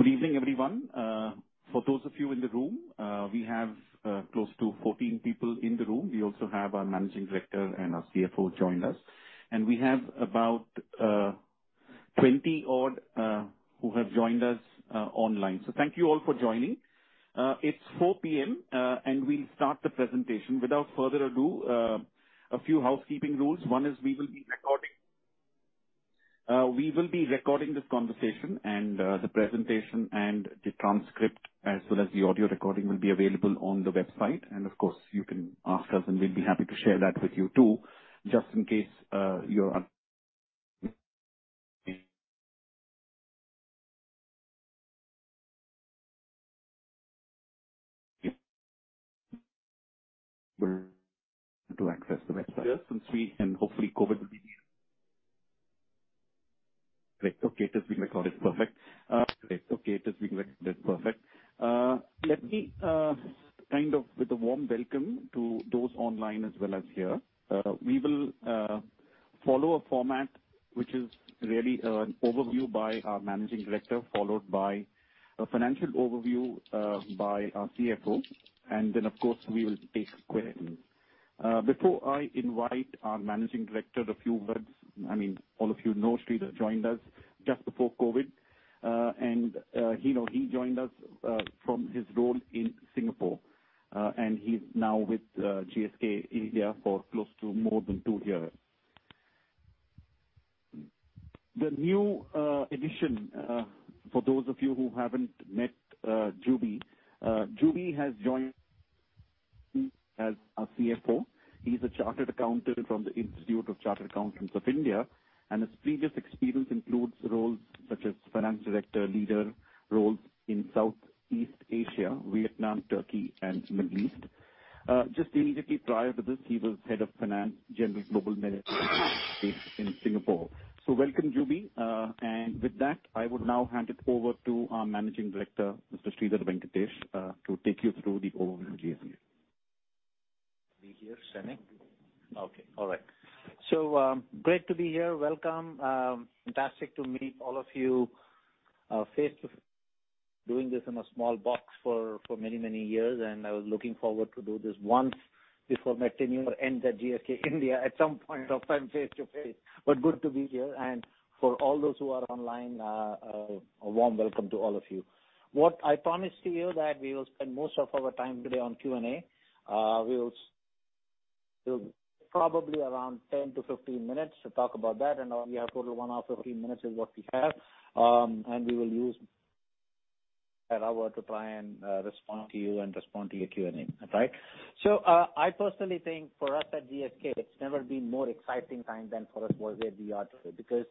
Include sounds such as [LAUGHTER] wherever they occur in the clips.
Good evening, everyone. For those of you in the room, we have close to 14 people in the room. We also have our Managing Director and our CFO joined us, and we have about 20 odd who have joined us online. Thank you all for joining. It's 4:00P.M., and we'll start the presentation. Without further ado, a few housekeeping rules. One is we will be recording. We will be recording this conversation and the presentation and the transcript as well as the audio recording will be available on the website. Of course, you can ask us, and we'll be happy to share that with you, too. Just in case you're unable to access the website. Hopefully, COVID will be here. Great. Okay, it is being recorded. Perfect. Great.Okay, it is being recorded. Perfect. Let me kind of with a warm welcome to those online as well as here. We will follow a format, which is really, an overview by our Managing Director, followed by a financial overview, by our CFO. Then, of course, we will take questions. Before I invite our Managing Director, a few words. I mean, all of you know Sridhar joined us just before COVID, and he joined us from his role in Singapore, and he's now with GSK Asia for close to more than two years. The new addition, for those of you who haven't met, Juby. Juby has joined as our CFO. He's a chartered accountant from the Institute of Chartered Accountants of India, and his previous experience includes roles such as finance director, leader roles in South East Asia, Vietnam, Turkey, and Middle East. Just immediately prior to this, he was Head of Finance, General Global Manager based in Singapore. Welcome, Juby. With that, I would now hand it over to our Managing Director, Mr. Sridhar Venkatesh, to take you through the overview of GSK. Be here, Senec. Okay. All right. Great to be here. Welcome. Fantastic to meet all of you face to face. Doing this in a small box for many years, I was looking forward to do this once before my tenure ends at GSK India at some point of time face-to-face. Good to be here. For all those who are online, a warm welcome to all of you. What I promised to you that we will spend most of our time today on Q&A. We'll probably around 10–15 minutes to talk about that and all. We have total one hour, 15 minutes is what we have, we will use that hour to try and respond to you and respond to your Q&A. Right? I personally think for us at GSK, it's never been more exciting time than for us where we are today, because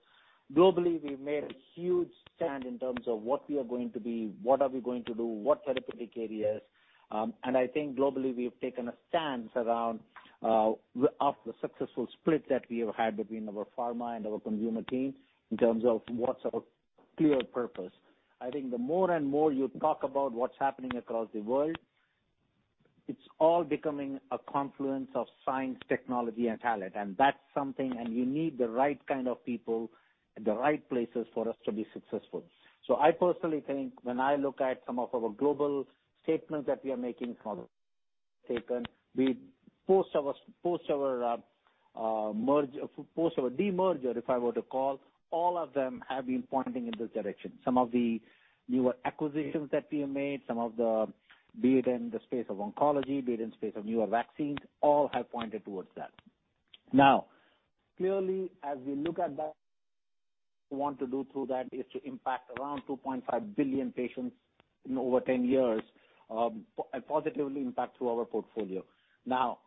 globally we've made a huge stand in terms of what we are going to be, what are we going to do, what therapeutic areas. I think globally we have taken a stance around of the successful split that we have had between our pharma and our consumer team in terms of what's our clear purpose. I think the more and more you talk about what's happening across the world, it's all becoming a confluence of science, technology and talent. That's something. You need the right kind of people at the right places for us to be successful. I personally think when I look at some of our global statements that we are making, post our demerger, if I were to call it, all of them have been pointing in this direction. Some of the newer acquisitions that we have made, be it in the space of oncology, be it in space of newer vaccines, all have pointed towards that. Now, clearly, as we look at that, what we want to do through that is to impact around 2.5 billion patients in over 10 years, positively impact through our portfolio. Now,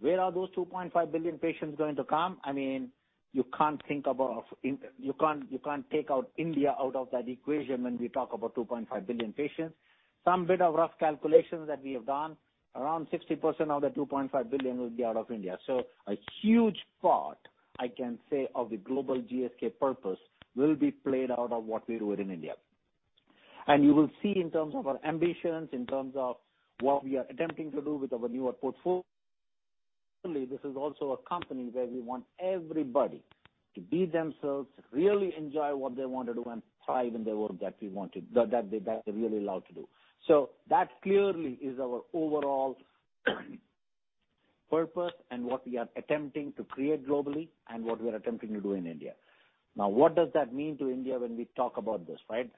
where are those 2.5 billion patients going to come? I mean, you can't think about. You can't take India out of that equation when we talk about 2.5 billion patients. Some bit of rough calculations that we have done, around 60% of the 2.5 billion will be out of India. A huge part, I can say, of the global GSK purpose will be played out of what we do within India. You will see in terms of our ambitions, in terms of what we are attempting to do with our newer portfolio. Clearly, this is also a company where we want everybody to be themselves, really enjoy what they want to do, and thrive in the work that they're really allowed to do. That clearly is our overall purpose and what we are attempting to create globally and what we are attempting to do in India. Now, what does that mean to India when we talk about this, right?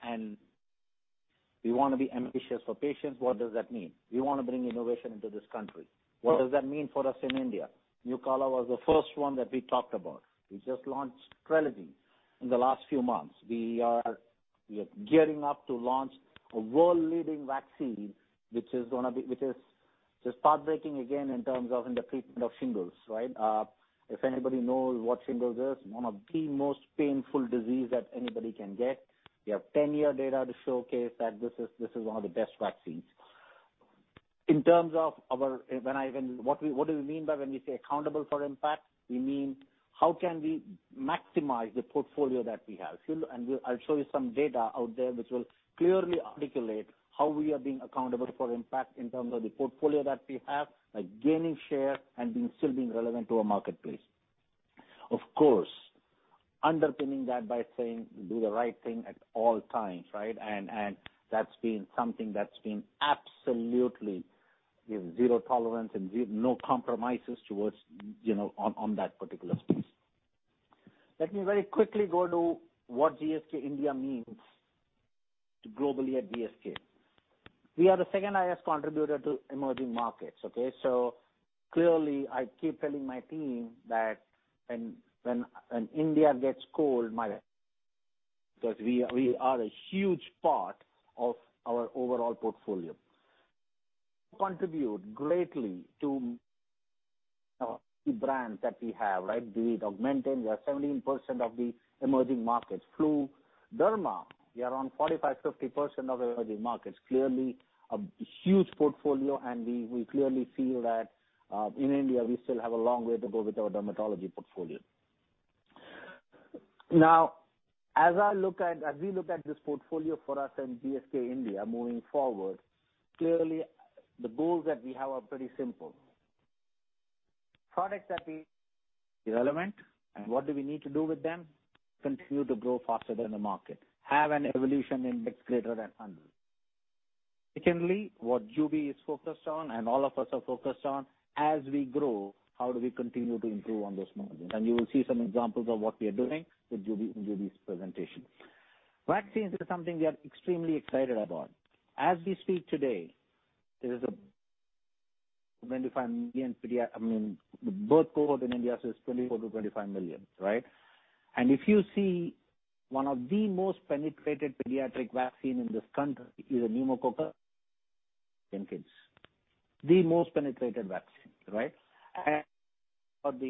We wanna be ambitious for patients, what does that mean? We wanna bring innovation into this country. What does that mean for us in India? NUCALA was the first one that we talked about. We just launched TRELEGY in the last few months. We are gearing up to launch a world-leading vaccine, which is just breakthrough in terms of the treatment of shingles, right? If anybody knows what shingles is, one of the most painful disease that anybody can get. We have 10-year data to showcase that this is one of the best vaccines. What does it mean by when we say accountable for impact? We mean how can we maximize the portfolio that we have? I'll show you some data out there which will clearly articulate how we are being accountable for impact in terms of the portfolio that we have, like gaining share and still being relevant to our marketplace. Of course, underpinning that by saying do the right thing at all times, right? That's been something that's been absolutely, you know, zero tolerance and no compromises towards, you know, on that particular space. Let me very quickly go to what GSK India means to globally at GSK. We are the second-highest contributor to emerging markets, okay? Clearly, I keep telling my team that when India gets cold, because we are a huge part of our overall portfolio. Contribute greatly to the brands that we have, right? Be it AUGMENTIN, we are 17% of the emerging markets. Flu, Dermatology, we are around 45%-50% of emerging markets. Clearly a huge portfolio and we clearly feel that in India, we still have a long way to go with our dermatology portfolio. Now, as we look at this portfolio for us and GSK India moving forward, clearly the goals that we have are pretty simple. Products that are relevant and what do we need to do with them? Continue to grow faster than the market, have an evolution index greater than 100. Secondly, what Juby is focused on and all of us are focused on, as we grow, how do we continue to improve on those margins? You will see some examples of what we are doing with Juby in Juby's presentation. Vaccines is something we are extremely excited about. As we speak today, the birth cohort in India says 24–25 million, right? If you see one of the most penetrated pediatric vaccine in this country is a pneumococcal in kids. The most penetrated vaccine, right?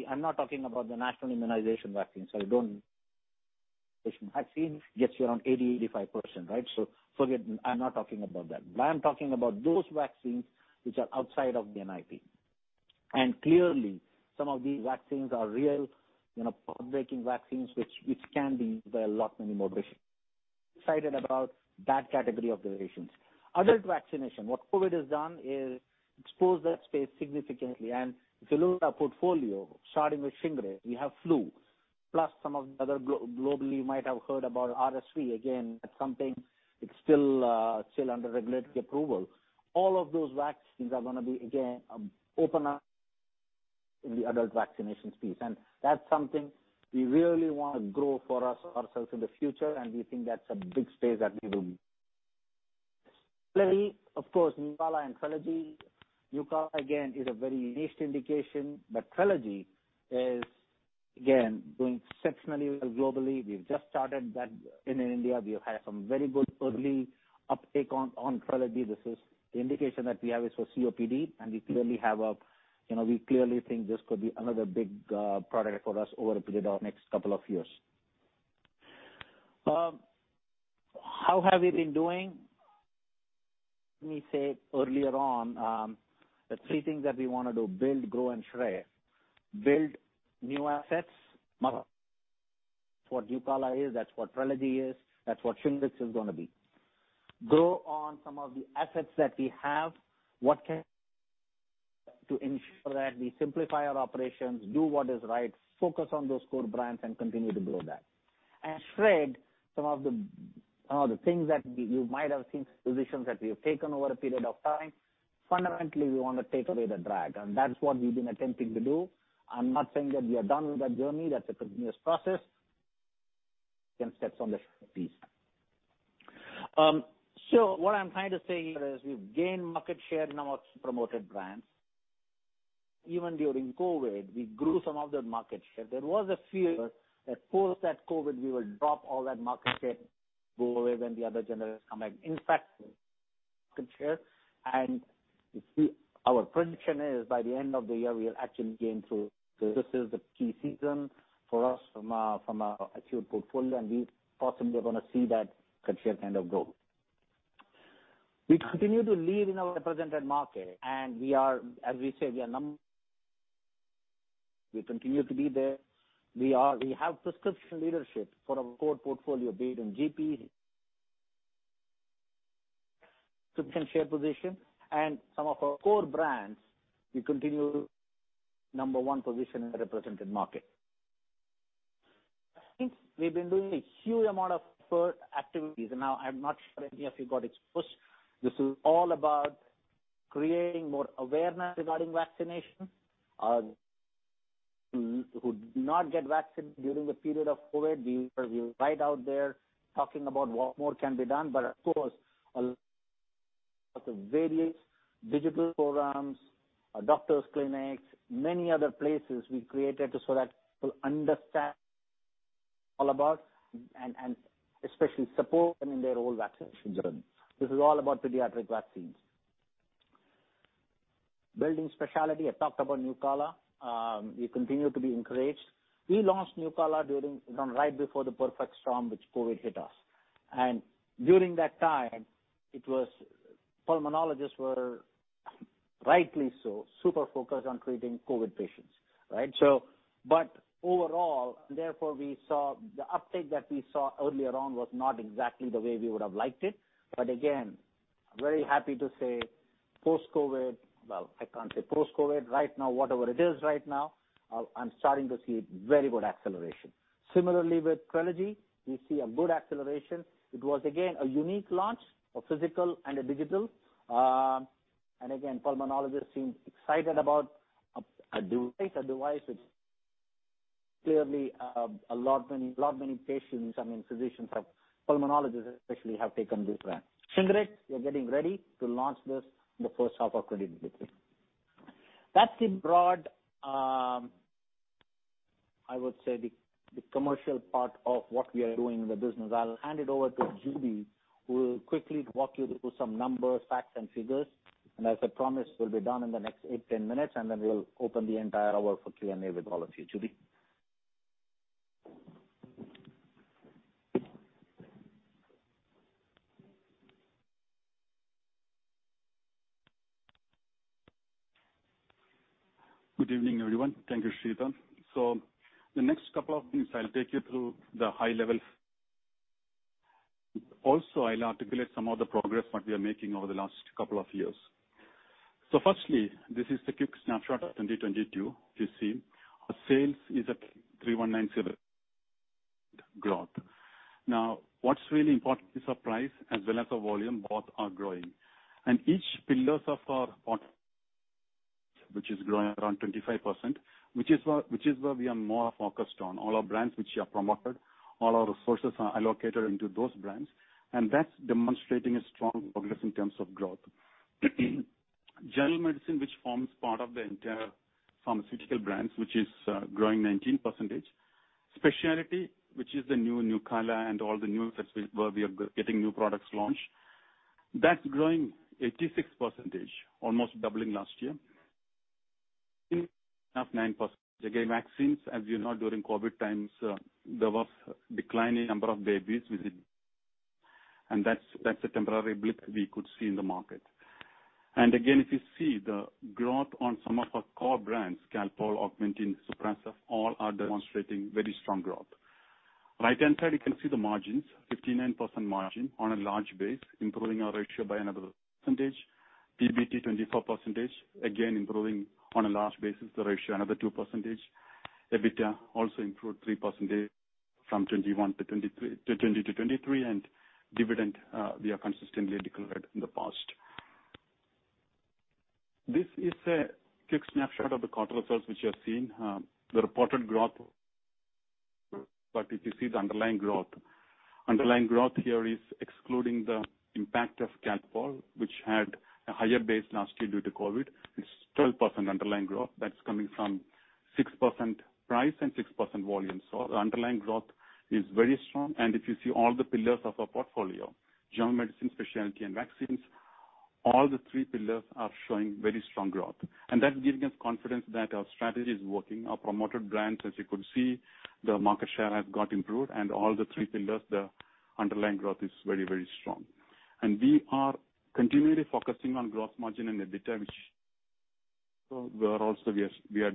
I'm not talking about the national immunization vaccine, so don't about that, immunization vaccine gets you to 80-85%, right? Forget, I’m not talking about that. What I’m talking about, those vaccine which are outside of the NIP. Clearly, some of these vaccines are real, you know, which can be not a lot more. I’m excited about that category of durations, other vaccinations, what COVID has done is expose that significantly, and to look at our portfolio starting with SHINGRIX. We have flu, plus some other globally, you might have hear about the RSVs, again, something still under regulatory approval. All of those vaccines are gonna be again, opened up in other vaccination space. That’s something we really want to grow for us sometime in the future and I think that’s a big space that we have room. Clearly, of course, oncology, you call again as the very least indication, oncology is again going exceptionally well globally, we have just started that in India, we have some very good uptake on oncology. This is an indication we have is COPD and we clearly think this is another big product for us or in the next couple of years. How have we been doing? Earlier on, the three things we want to do build, grow and shred. Build new assets, that’s what TRELEGY is, that’s what SHINGRIX is going to be. Grow on some of the asses that we have, what can be done to ensure that we simplify our operations. Do what is right, focus on those core brands and continue to grow that. Shred, some of the things that you might have, positions that we might have taken, fundamentally you want to take away the drag, and that’s what we’ve been attempting to do. I’m not saying that we are done with the journey, that is a continous process. Sure, what I’m trying to say is we gained market share in our promoted brand. Even during COVID, we grew some of the market share. There was a feel that post-COVID, we will drop all of that market share, in fact we grow our market share and by the end of the year, we actually gained and continue to lead in our represented market. Who do not get vaccine during the period of COVID. We were right out there talking about what more can be done. Of course, a lot of various digital programs, doctor's clinics, many other places we created so that people understand all about and especially support them in their whole vaccination journey. This is all about pediatric vaccines. Building specialty, I talked about NUCALA. We continue to be encouraged. We launched NUCALA during right before the perfect storm, which COVID hit us. During that time, it was, pulmonologists were, rightly so, super focused on treating COVID patients, right? But overall, therefore, we saw the uptake that we saw earlier on was not exactly the way we would have liked it. But again, I'm very happy to say post-COVID. Well, I can't say post-COVID. Right now, whatever it is right now, I'm starting to see very good acceleration. Similarly with TRELEGY, we see a good acceleration. It was, again, a unique launch of physical and a digital, and again, pulmonologists seem excited about a device which clearly a lot many patients, I mean, physicians or pulmonologists especially have taken this brand. SHINGRIX, we're getting ready to launch this in the first half of 2023. That's the broad, I would say the commercial part of what we are doing in the business. I'll hand it over to Juby, who will quickly walk you through some numbers, facts, and figures. As I promised, we'll be done in the next 8-10 minutes, and then we'll open the entire hour for Q&A with all of you. Juby? Good evening, everyone. Thank you, Sridhar. The next couple of minutes, I'll take you through the high level. Also, I'll articulate some of the progress what we are making over the last couple of years. Firstly, this is the quick snapshot of 2022. You see our sales is at 3,197 [INAUDIBLE] growth. Now, what's really important is our price as well as our volume, both are growing. Each pillars of our portfolio which is growing around 25%, which is where we are more focused on. All our brands which are promoted, all our resources are allocated into those brands, and that's demonstrating a strong progress in terms of growth. General medicine, which forms part of the entire pharmaceutical brands, which is growing 19%. Specialty, which is the new NUCALA and all the new where we are getting new products launched, that's growing 86%, almost doubling last year. Up 9%. Again, vaccines, as you know, during COVID times, there was decline in number of babies. That's a temporary blip we could see in the market. Again, if you see the growth on some of our core brands, Calpol, AUGMENTIN, [Suprax], all are demonstrating very strong growth. Right-hand side, you can see the margins, 59% margin on a large base, improving our ratio by another percentage. PBT, 24%, again, improving on a large base the ratio another 2%. EBITDA also improved 3% from 2022 to 2023. Dividend, we have consistently declared in the past. This is a quick snapshot of the quarter results which you are seeing. The reported growth, but if you see the underlying growth. Underlying growth here is excluding the impact of Calpol, which had a higher base last year due to COVID. It's 12% underlying growth. That's coming from 6% price and 6% volume. The underlying growth is very strong. If you see all the pillars of our portfolio, general medicine, specialty, and vaccines, all the three pillars are showing very strong growth. That gives us confidence that our strategy is working. Our promoted brands, as you could see, the market share has got improved. All the three pillars, the underlying growth is very, very strong. We are continually focusing on gross margin and EBITDA which we are also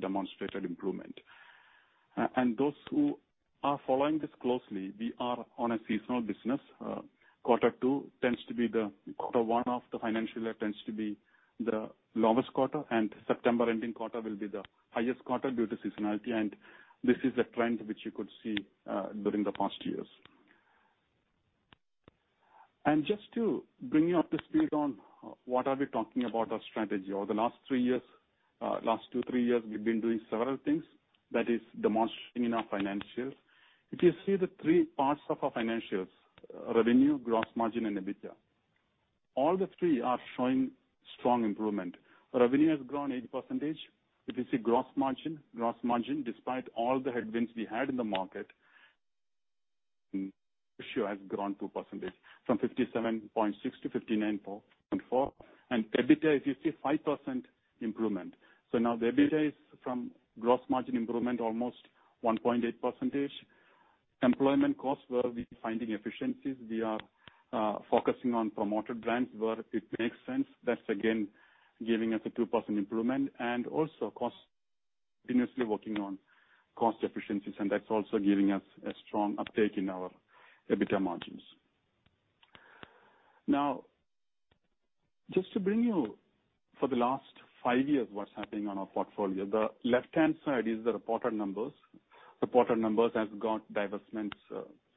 demonstrating improvement. Those who are following this closely, we are on a seasonal business. Quarter two tends to be the—quarter one of the financial year tends to be the lowest quarter, and September ending quarter will be the highest quarter due to seasonality. This is a trend which you could see during the past years. Just to bring you up to speed on what are we talking about our strategy. Over the last three years, we've been doing several things that is demonstrating in our financials. If you see the three parts of our financials, revenue, gross margin, and EBITDA, all the three are showing strong improvement. Revenue has grown 8%. If you see gross margin, despite all the headwinds we had in the market, sure has grown 2%, from 57.6% to 59.4%. EBITDA, if you see 5% improvement. Now the EBITDA is from gross margin improvement almost 1.8%. Employment costs, where we're finding efficiencies, we are focusing on promoted brands where it makes sense. That's again, giving us a 2% improvement. Also cost, continuously working on cost efficiencies, and that's also giving us a strong uptake in our EBITDA margins. Now, just to bring you for the last five years what's happening on our portfolio. The left-hand side is the reported numbers. Reported numbers has got divestments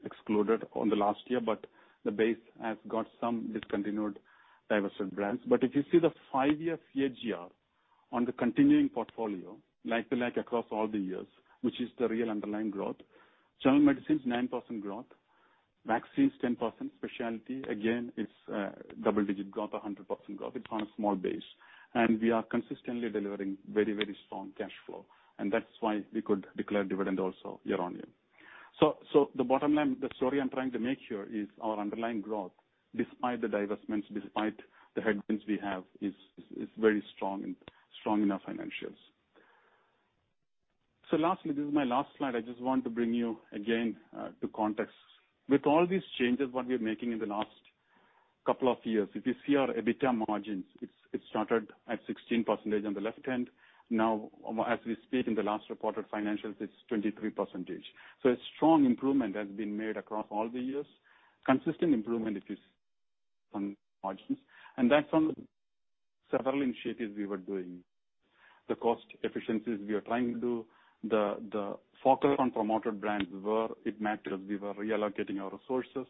excluded on the last year, but the base has got some discontinued divested brands. If you see the five-year CAGR on the continuing portfolio, like across all the years, which is the real underlying growth, general medicines, 9% growth, vaccines, 10%, specialty, again, it's double-digit growth, 100% growth. It's on a small base. We are consistently delivering very, very strong cash flow. That's why we could declare dividend also year-on-year. The bottom line, the story I'm trying to make here is our underlying growth, despite the divestments, despite the headwinds we have, is very strong and strong in our financials. Lastly, this is my last slide. I just want to bring you again to context. With all these changes what we are making in the last couple of years, if you see our EBITDA margins, it started at 16% on the left hand. Now, as we speak in the last reported financials, it's 23%. A strong improvement has been made across all the years. Consistent improvement if you see margins. That's on several initiatives we were doing. The cost efficiencies we are trying to do. The focus on promoted brands where it matters, we were reallocating our resources.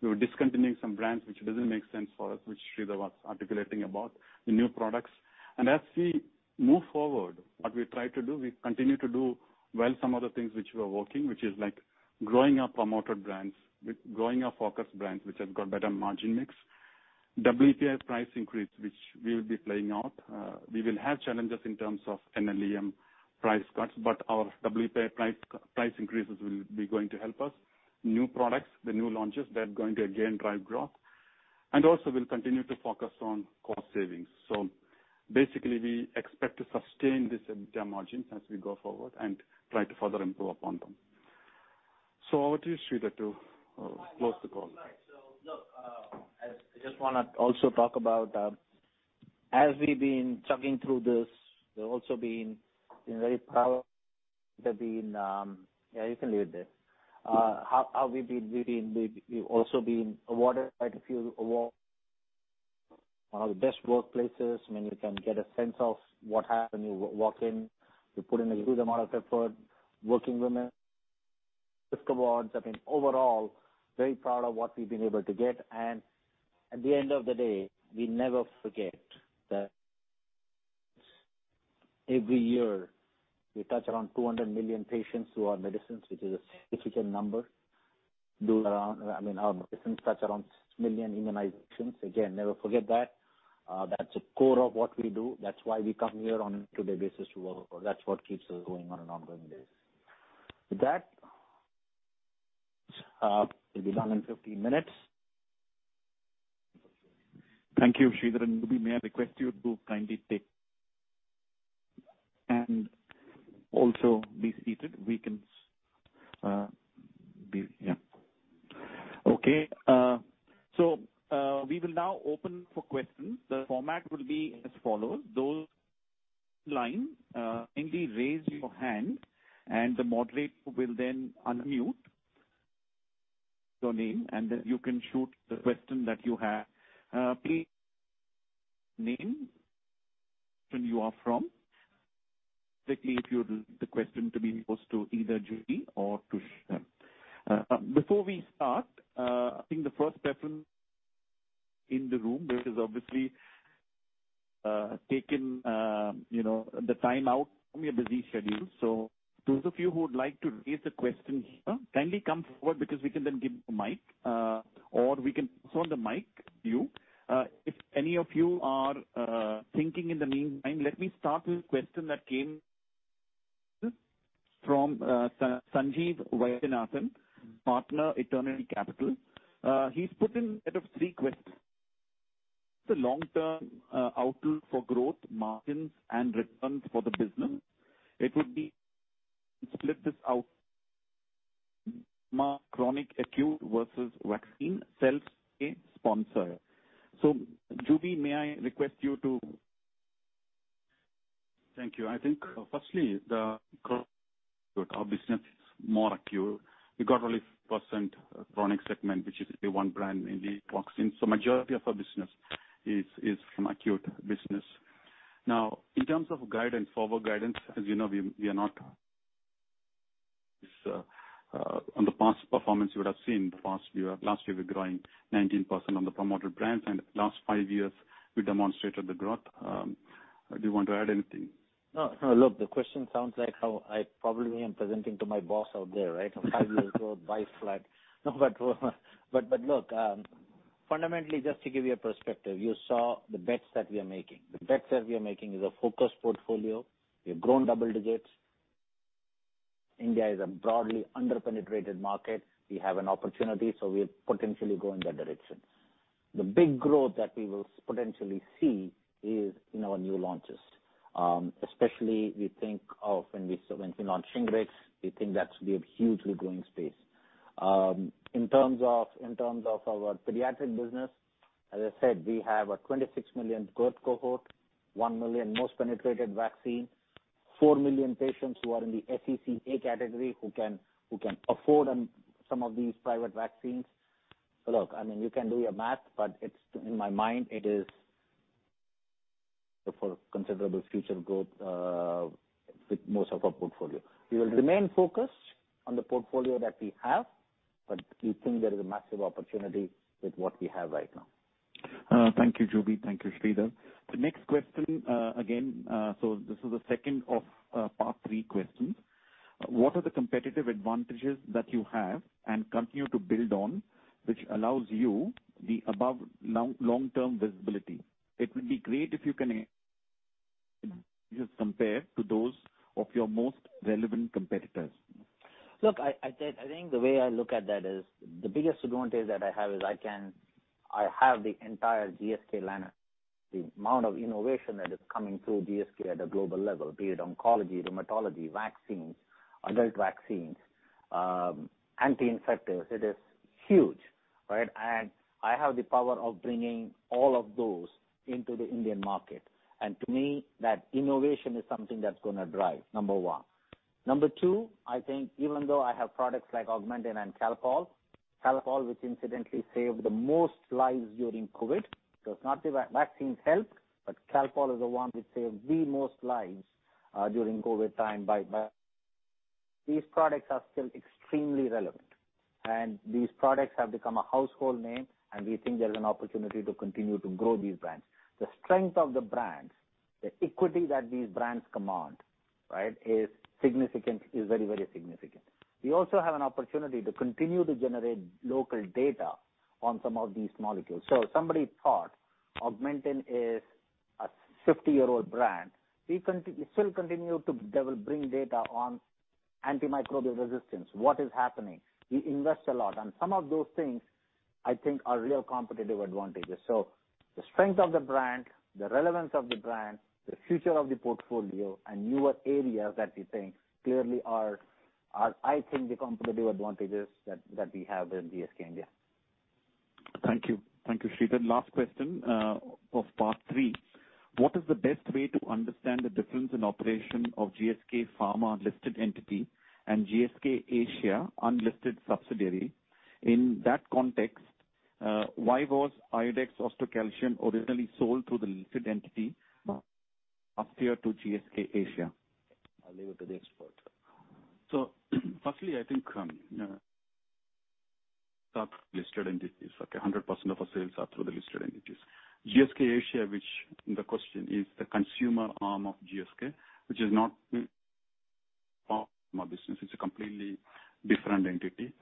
We were discontinuing some brands which doesn't make sense for us, which Sridhar was articulating about the new products. As we move forward, what we try to do, we continue to do well, some of the things which were working, which is like growing our promoted brands. With growing our focused brands, which have got better margin mix. WPI price increase, which we will be playing out. We will have challenges in terms of NLEM price cuts, but our WPI price increases will be going to help us. New products, the new launches, they're going to again drive growth. Also we'll continue to focus on cost savings. Basically we expect to sustain this EBITDA margin as we go forward and try to further improve upon them. Over to you, Sridhar, to close the call. Right. So look, I just wanna also talk about, as we've been chugging through this, we've also been, you know, very proud. How we've also been awarded quite a few awards. One of the best workplaces, I mean, you can get a sense of what happens when you walk in. We put in a huge amount of effort. Working women with awards. I mean, overall, very proud of what we've been able to get. At the end of the day, we never forget that every year we touch around 200 million patients through our medicines, which is a significant number. I mean, our medicines touch around six million immunizations. Again, never forget that. That's the core of what we do. That's why we come here on a day-to-day basis to work. That's what keeps us going on an ongoing basis. With that, we'll be done in 15 minutes. Thank you, Sridhar and Juby. May I request you to kindly take and also be seated. We can. Yeah. Okay. We will now open for questions. The format will be as follows. Those online, kindly raise your hand and the moderator will then unmute your line, and then you can shoot the question that you have. Please name where you are from. If you'd like the question to be posed to either Juby or to Sridhar. Before we start, I think the first person in the room, which has obviously taken, you know, the time out from your busy schedule. Those of you who would like to raise a question here, kindly come forward because we can then give you the mic, or we can pass on the mic to you. If any of you are thinking in the meantime, let me start with a question that came from Sanjeev Vaidyanathan, Partner, Eternity Capital. He's put in a set of three questions. The long-term outlook for growth margins and returns for the business. It would be split this out. Chronic acute versus vaccine, self-pay, sponsor. Juby, may I request you to. Thank you. I think firstly, the core of our business is more acute. We've got only 5% chronic segment, which is a one brand mainly vaccine. Majority of our business is from acute business. Now, in terms of guidance, forward guidance, as you know, we are not. This on the past performance you would have seen the past year. Last year we were growing 19% on the promoted brands, and last five years we demonstrated the growth. Do you want to add anything? No, no. Look, the question sounds like how I probably am presenting to my boss out there, right? Five years roadmap flat. No, but look, fundamentally, just to give you a perspective, you saw the bets that we are making. The bets that we are making is a focused portfolio. We have grown double digits. India is a broadly under-penetrated market. We have an opportunity, so we're potentially going that direction. The big growth that we will potentially see is in our new launches. Especially, so when we launch SHINGRIX, we think that should be a hugely growing space. In terms of our pediatric business, as I said, we have a 26 million growth cohort, one million most penetrated vaccine, four million patients who are in the SEC A category who can afford on some of these private vaccines. Look, I mean, you can do your math, but it's, in my mind, it is for considerable future growth with most of our portfolio. We will remain focused on the portfolio that we have, but we think there is a massive opportunity with what we have right now. Thank you, Juby. Thank you, Sridhar. The next question, again, this is the second of part three questions. What are the competitive advantages that you have and continue to build on, which allows you the above long, long-term visibility? It will be great if you can just compare to those of your most relevant competitors. Look, I think the way I look at that is the biggest advantage that I have is I have the entire GSK lineup. The amount of innovation that is coming through GSK at a global level, be it oncology, rheumatology, vaccines, adult vaccines, anti-infectives, it is huge, right? I have the power of bringing all of those into the Indian market. To me, that innovation is something that's gonna drive number one. Number two, I think even though I have products like AUGMENTIN and Calpol. Calpol, which incidentally saved the most lives during COVID, because not the vaccines helped, but Calpol is the one which saved the most lives during COVID time. These products are still extremely relevant, and these products have become a household name, and we think there's an opportunity to continue to grow these brands. The strength of the brands, the equity that these brands command, right, is significant. Is very significant. We also have an opportunity to continue to generate local data on some of these molecules. If somebody thought AUGMENTIN is a 50-year-old brand, we still continue to develop, bring data on antimicrobial resistance. What is happening? We invest a lot, and some of those things, I think, are real competitive advantages. The strength of the brand, the relevance of the brand, the future of the portfolio and newer areas that we think clearly, are, I think, the competitive advantages that we have in GSK India. Thank you. Thank you, Sridhar. Last question of part three. What is the best way to understand the difference in operation of GSK Pharma listed entity and GSK Asia unlisted subsidiary? In that context, why was Iodex, Ostocalcium originally sold through the listed entity up here to GSK Asia? I'll leave it to the expert. Firstly, I think listed entities, okay. 100% of our sales are through the listed entities. GSK Asia, which the question is, the consumer arm of GSK, which is not part of my business. It's a completely different entity.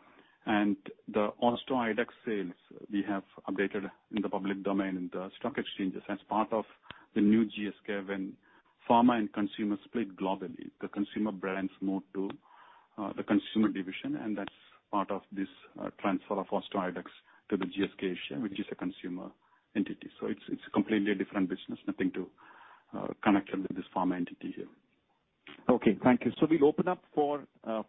The Ostocalcium, Iodex sales we have updated in the public domain in the stock exchanges as part of the new GSK when pharma and consumer split globally. The consumer brands moved to the consumer division, and that's part of this transfer of Ostocalcium, Iodex to the GSK Asia, which is a consumer entity. It's a completely different business. No connection with this pharma entity here. Okay, thank you. We'll open up for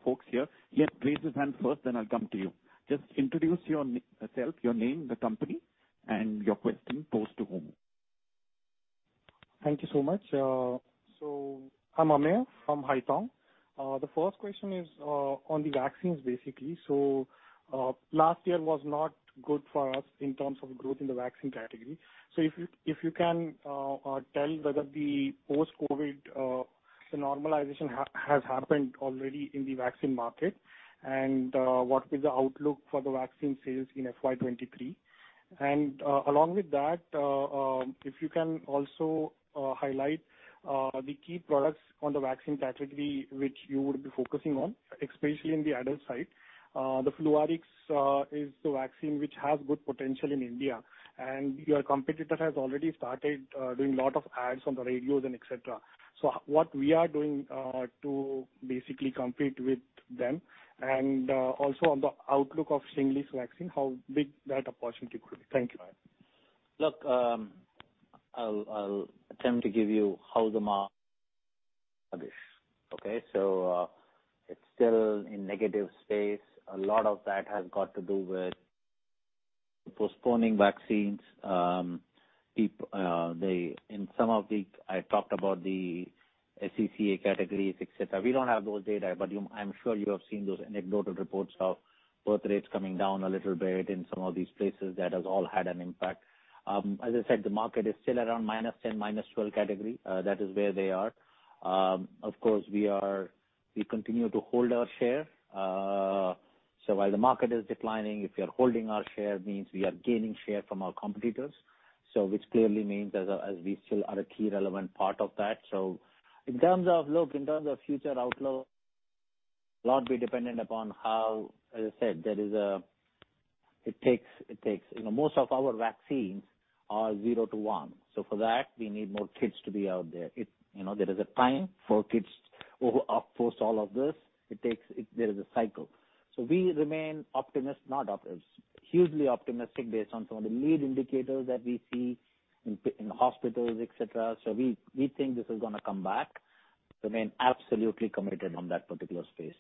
folks here. Yes, raise your hand first, then I'll come to you. Just introduce yourself, your name, the company, and your question posed to whom. Thank you so much. I'm Amir from Haitong. The first question is on the vaccines basically. Last year was not good for us in terms of growth in the vaccine category. If you can tell whether the post-COVID normalization has happened already in the vaccine market and what is the outlook for the vaccine sales in FY 2023. Along with that, if you can also highlight the key products on the vaccine category which you would be focusing on, especially in the adult side. The FLUARIX is the vaccine which has good potential in India, and your competitor has already started doing a lot of ads on the radio and et cetera. What we are doing to basically compete with them. Also on the outlook of SHINGRIX vaccine, how big that opportunity could be? Thank you. It's still in negative space. A lot of that has got to do with postponing vaccines. I talked about the SEC A categories, et cetera. We don't have those data, but I'm sure you have seen those anecdotal reports of birth rates coming down a little bit in some of these places. That has all had an impact. As I said, the market is still around -10% to -12% category. That is where they are. Of course, we continue to hold our share. While the market is declining, if we are holding our share means we are gaining share from our competitors, which clearly means as we still are a key relevant part of that. In terms of future outlook, a lot will be dependent upon how, as I said, there is a, it takes, you know, most of our vaccines are zero to one, so for that we need more kids to be out there. You know, there is a time for kids who are post all of this. It takes. There is a cycle. We remain optimistic, hugely optimistic based on some of the lead indicators that we see in hospitals, et cetera. We think this is gonna come back. Remain absolutely committed on that particular space.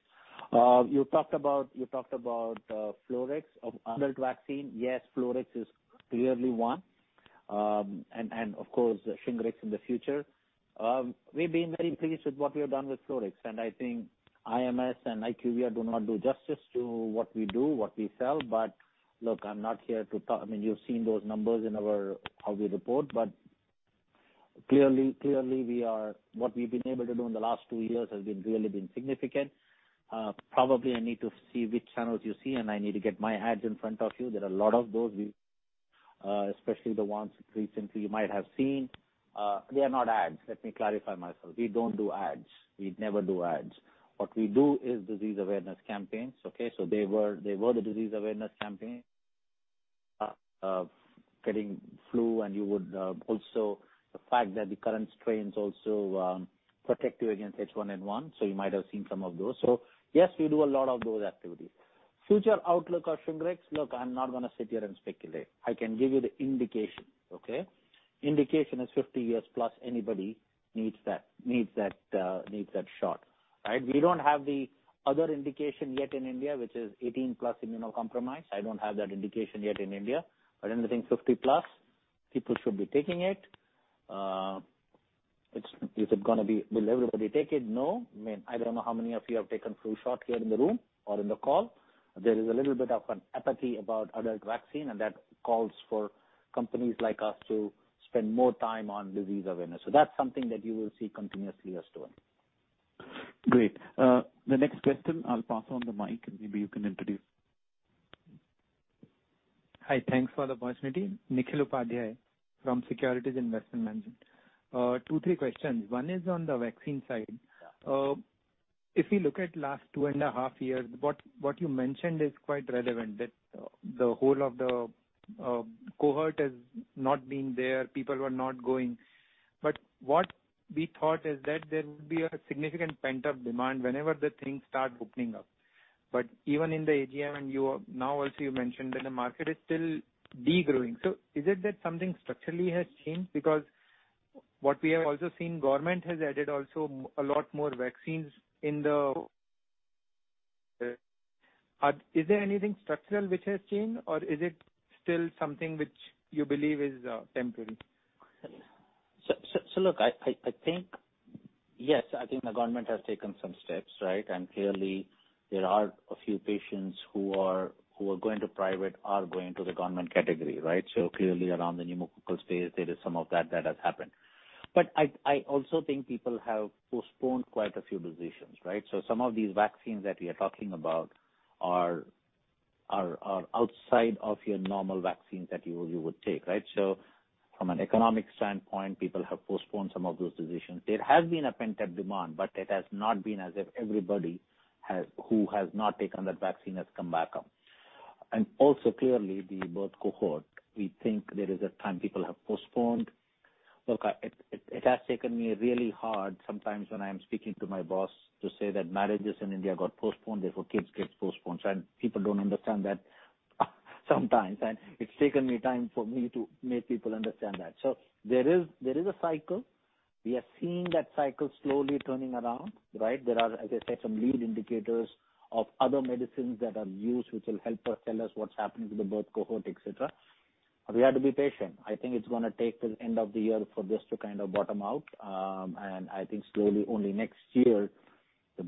You talked about FLUARIX adult vaccine. Yes, FLUARIX is clearly one. And of course SHINGRIX in the future. We've been very pleased with what we have done with FLUARIX, and I think IMS and IQVIA do not do justice to what we do, what we sell. Look, I mean, you've seen those numbers in our, how we report. What we've been able to do in the last two years has been really significant. Probably I need to see which channels you see, and I need to get my ads in front of you. There are a lot of those, especially the ones recently you might have seen. They are not ads. Let me clarify myself. We don't do ads. We never do ads. What we do is disease awareness campaigns, okay? They were the disease awareness campaign of getting flu and also the fact that the current strains also protect you against H1N1, so you might have seen some of those. Yes, we do a lot of those activities. Future outlook of SHINGRIX. Look, I'm not gonna sit here and speculate. I can give you the indication, okay? Indication is 50+ years anybody needs that shot, right? We don't have the other indication yet in India, which is 18+ immunocompromised. I don't have that indication yet in India, but anything 50+ people should be taking it. Is it gonna be? Will everybody take it? No. I mean, I don't know how many of you have taken flu shot here in the room or in the call. There is a little bit of an apathy about adult vaccine, and that calls for companies like us to spend more time on disease awareness. That's something that you will see continuously us doing. Great. The next question, I'll pass on the mic, and maybe you can introduce. Hi. Thanks for the opportunity. Nikhil Upadhyaya from Securities Investment Management. Two, three questions. One is on the vaccine side. If you look at last two and a half years, what you mentioned is quite relevant, that the whole of the cohort has not been there, people were not going. What we thought is that there would be a significant pent-up demand whenever the things start opening up. Even in the AGM and now also you mentioned that the market is still degrowing. Is it that something structurally has changed? What we have also seen, government has added also a lot more vaccines in the. [INAUDIBLE] Is there anything structural which has changed, or is it still something which you believe is temporary? Look, I think yes, I think the government has taken some steps, right? Clearly there are a few patients who are going to private are going to the government category, right? Clearly around the pneumococcal space, there is some of that that has happened. I also think people have postponed quite a few decisions, right? Some of these vaccines that we are talking about are outside of your normal vaccines that you would take, right? From an economic standpoint, people have postponed some of those decisions. There has been a pent-up demand, but it has not been as if everybody has, who has not taken that vaccine has come back up. Clearly, the birth cohort, we think there is a time people have postponed. Look, it has taken me really hard sometimes when I'm speaking to my boss to say that marriages in India got postponed, therefore kids gets postponed. People don't understand that sometimes. It's taken me time for me to make people understand that. There is a cycle. We are seeing that cycle slowly turning around, right? There are, as I said, some lead indicators of other medicines that are used which will help us tell us what's happening to the birth cohort, et cetera. We have to be patient. I think it's gonna take till end of the year for this to kind of bottom out. I think slowly only next year the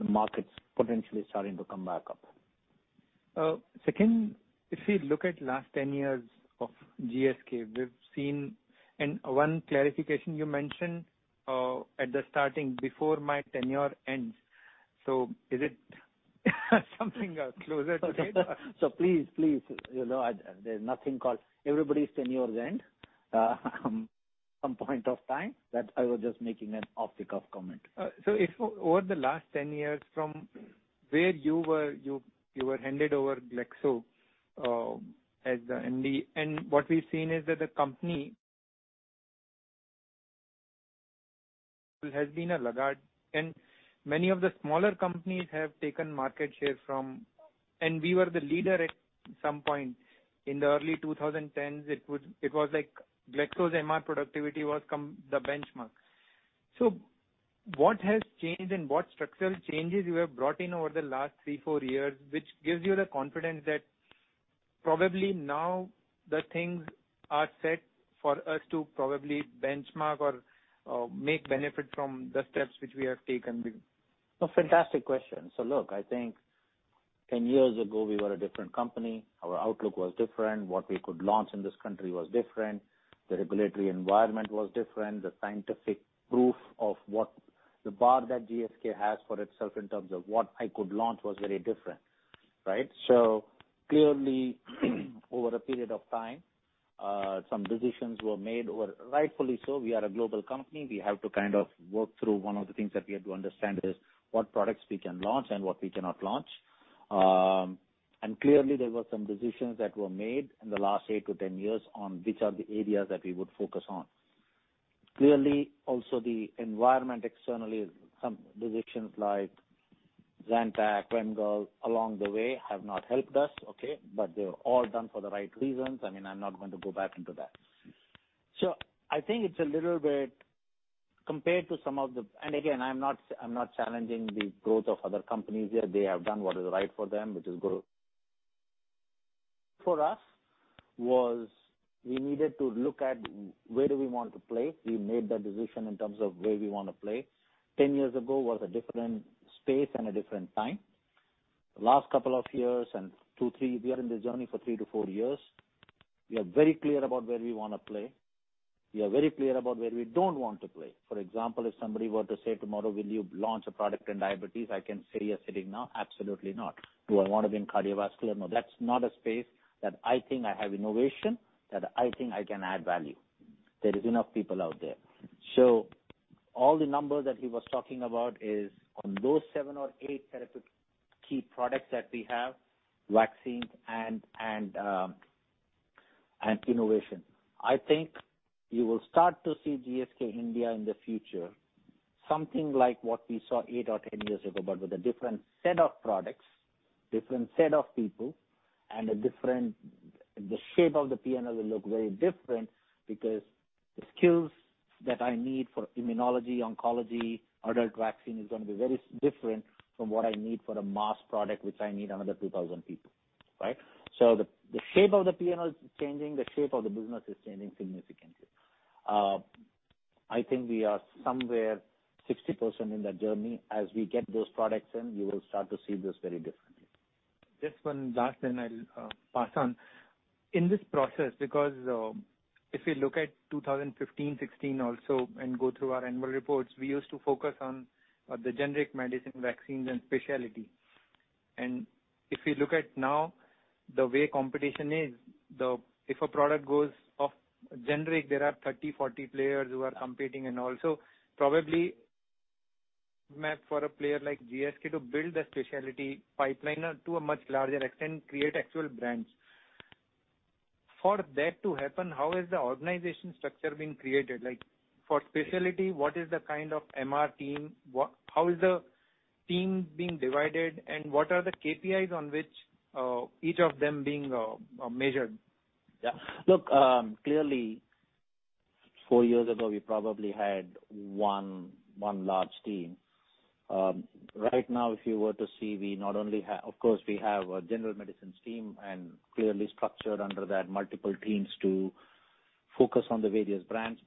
market's potentially starting to come back up. Second, if we look at last 10 years of GSK, we've seen. One clarification you mentioned at the starting, before my tenure ends. Is it something closer to date? Please, you know, there's nothing called everybody's tenure end at some point of time. That I was just making an off-the-cuff comment. If over the last 10 years from where you were, you were handed over Glaxo as the MD, what we've seen is that the company has been a laggard and many of the smaller companies have taken market share from Glaxo. We were the leader at some point. In the early 2010s, it was like Glaxo's MR productivity was the benchmark. What has changed and what structural changes you have brought in over the last three to four years, which gives you the confidence that probably now the things are set for us to probably benchmark or make benefit from the steps which we have taken with? A fantastic question. Look, I think 10 years ago we were a different company. Our outlook was different. What we could launch in this country was different. The regulatory environment was different. The scientific proof of what the bar that GSK has for itself in terms of what I could launch was very different, right? Clearly, over a period of time, some decisions were made, or rightfully so, we are a global company, we have to kind of work through. One of the things that we had to understand is what products we can launch and what we cannot launch. Clearly there were some decisions that were made in the last eight to 10 years on which are the areas that we would focus on. Clearly, also the environment externally, some decisions like Zantac, Zinetac along the way have not helped us, okay. They were all done for the right reasons. I mean, I'm not going to go back into that. I think it's a little bit compared to some of the, I'm not challenging the growth of other companies here. They have done what is right for them, which is good. For us, was, we needed to look at where do we want to play. We made that decision in terms of where we wanna play. Ten years ago was a different space and a different time. The last couple of years, and two, three, we are in the journey for three to four years. We are very clear about where we wanna play. We are very clear about where we don't want to play. For example, if somebody were to say tomorrow, "Will you launch a product in diabetes?" I can say here sitting now, absolutely not. Do I wanna be in cardiovascular? No, that's not a space that I think I have innovation, that I think I can add value. There is enough people out there. All the numbers that he was talking about is on those seven or eight therapeutic key products that we have, vaccines and innovation. I think you will start to see GSK India in the future, something like what we saw eight or 10 years ago, but with a different set of products, different set of people, and a different. The shape of the P&L will look very different because the skills that I need for immunology, oncology, adult vaccine is gonna be very different from what I need for a mass product, which I need another 2,000 people. Right? The shape of the P&L is changing, the shape of the business is changing significantly. I think we are somewhere 60% in that journey. As we get those products in, you will start to see this very differently. Just one last and I'll pass on. In this process, because if you look at 2015, 2016 also, and go through our annual reports, we used to focus on the generic medicine, vaccines and specialty. If you look at now the way competition is, if a product goes generic, there are 30, 40 players who are competing and also probably apt for a player like GSK to build a specialty pipeline or to a much larger extent, create actual brands. For that to happen, how is the organization structure being created? Like for specialty, what is the kind of MR team? How is the team being divided and what are the KPIs on which each of them being measured? Yeah. Look, clearly four years ago, we probably had one large team. Right now, if you were to see, we not only of course, we have a general medicines team and clearly structured under that, multiple teams to focus on the various brands.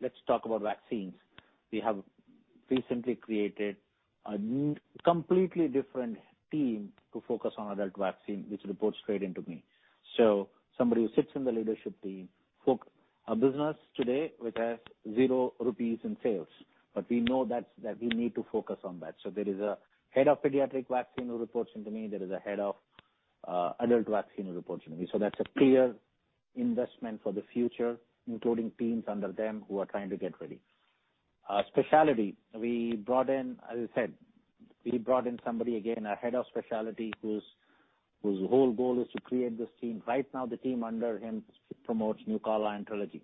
Let's talk about vaccines. We have recently created a completely different team to focus on adult vaccine, which reports straight into me. Somebody who sits in the leadership team a business today which has zero rupees in sales, but we know that's, that we need to focus on that. There is a head of pediatric vaccine who reports into me, there is a head of adult vaccine who reports into me. That's a clear investment for the future, including teams under them who are trying to get ready. Specialty, we brought in, as I said, we brought in somebody, again, a head of specialty whose whole goal is to create this team. Right now, the team under him promotes NUCALA and TRELEGY.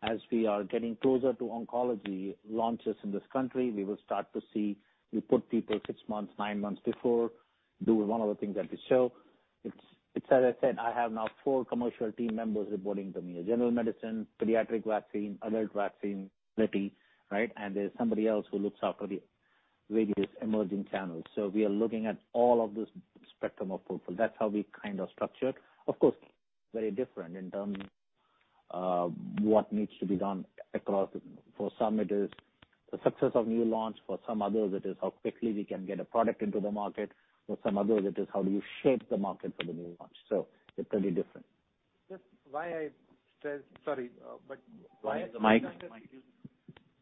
As we are getting closer to oncology launches in this country, we will start to see, we put people six months, nine months before, do one of the things that we show. As I said, I have now four commercial team members reporting to me, a general medicine, pediatric vaccine, adult vaccine, specialty, right? There's somebody else who looks after the various emerging channels. We are looking at all of this spectrum of portfolio. That's how we kind of structure. Of course, very different in terms of what needs to be done across. For some, it is the success of new launch. For some others, it is how quickly we can get a product into the market. For some others, it is how do you shape the market for the new launch? They're pretty different. Sorry, why. Mic.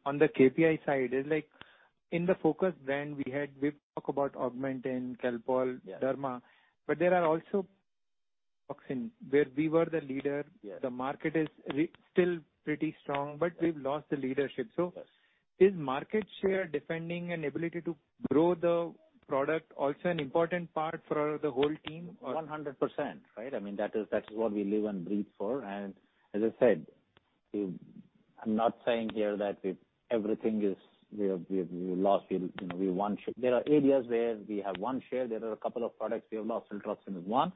On the KPI side, it's like in the focus brand we had, we talk about AUGMENTIN, Calpol. Yeah. Dermatology, but there are also [inaudibale], where we were the leader. Yeah. The market is still pretty strong but we’ve lost the leadership. Is market share defending an ability to grow the product also an important part for the whole team or? 100%, right? I mean, that is what we live and breathe for. As I said, I'm not saying here that everything is lost. There are areas where we have won share. There are a couple of products we have lost and won in one.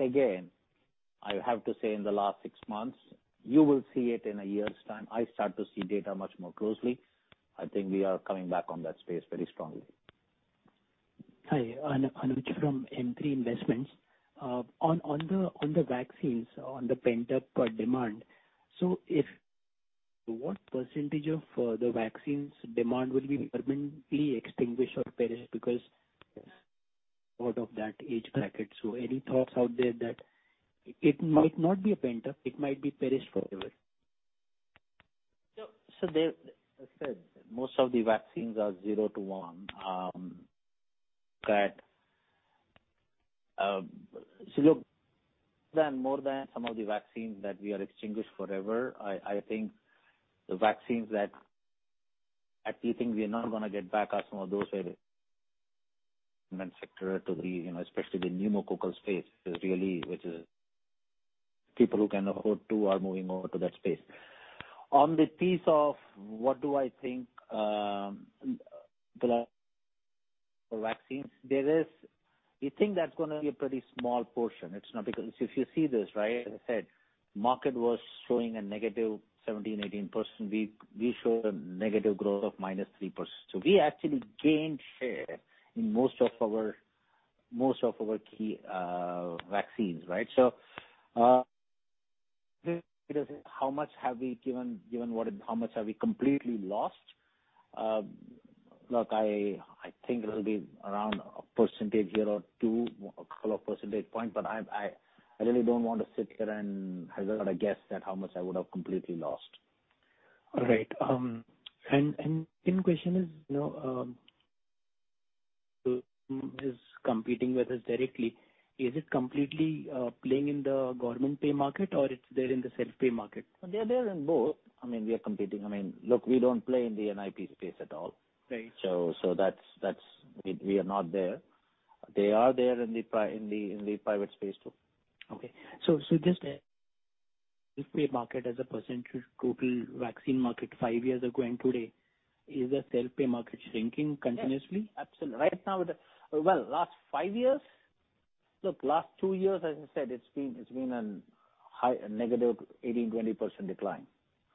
Again, I have to say in the last six months, you will see it in a year's time. I start to see data much more closely. I think we are coming back on that space very strongly. Hi, Anuj from M3 Investment. On the vaccines, on the pent-up demand, if, what percentage of the vaccines demand will be permanently extinguished or perished because out of that age bracket. Any thoughts out there that it might not be a pent-up, it might be perished forever? There, as I said, most of the vaccines are zero to one. Look, more than some of the vaccines that we are exiting forever, I think the few vaccines that we are not gonna get back are some of those where shifting to the, you know, especially the pneumococcal space is really, which is people who can afford to are moving over to that space. On the basis of what I think for vaccines, we think that's gonna be a pretty small portion. It's not because if you see this, right, as I said, market was showing a negative 17%-18%. We showed a negative growth of -3%. We actually gained share in most of our key vaccines, right? How much have we given what, how much have we completely lost? Look, I think it'll be around a percentage point or two, a couple of percentage points, but I really don't want to sit here and have a guess at how much I would have completely lost. All right. Second question is, you know, is competing with us directly. Is it completely playing in the government pay market or it's there in the self-pay market? They're there in both. I mean, we are competing. I mean, look, we don't play in the NIP space at all. Right. We are not there. They are there in the private space too. Just self-pay market as a percentage total vaccine market five years ago and today, is the self-pay market shrinking continuously? Yes. Absolutely. Right now, well, last five years. Look, last two years, as I said, it's been a negative 18-20% decline.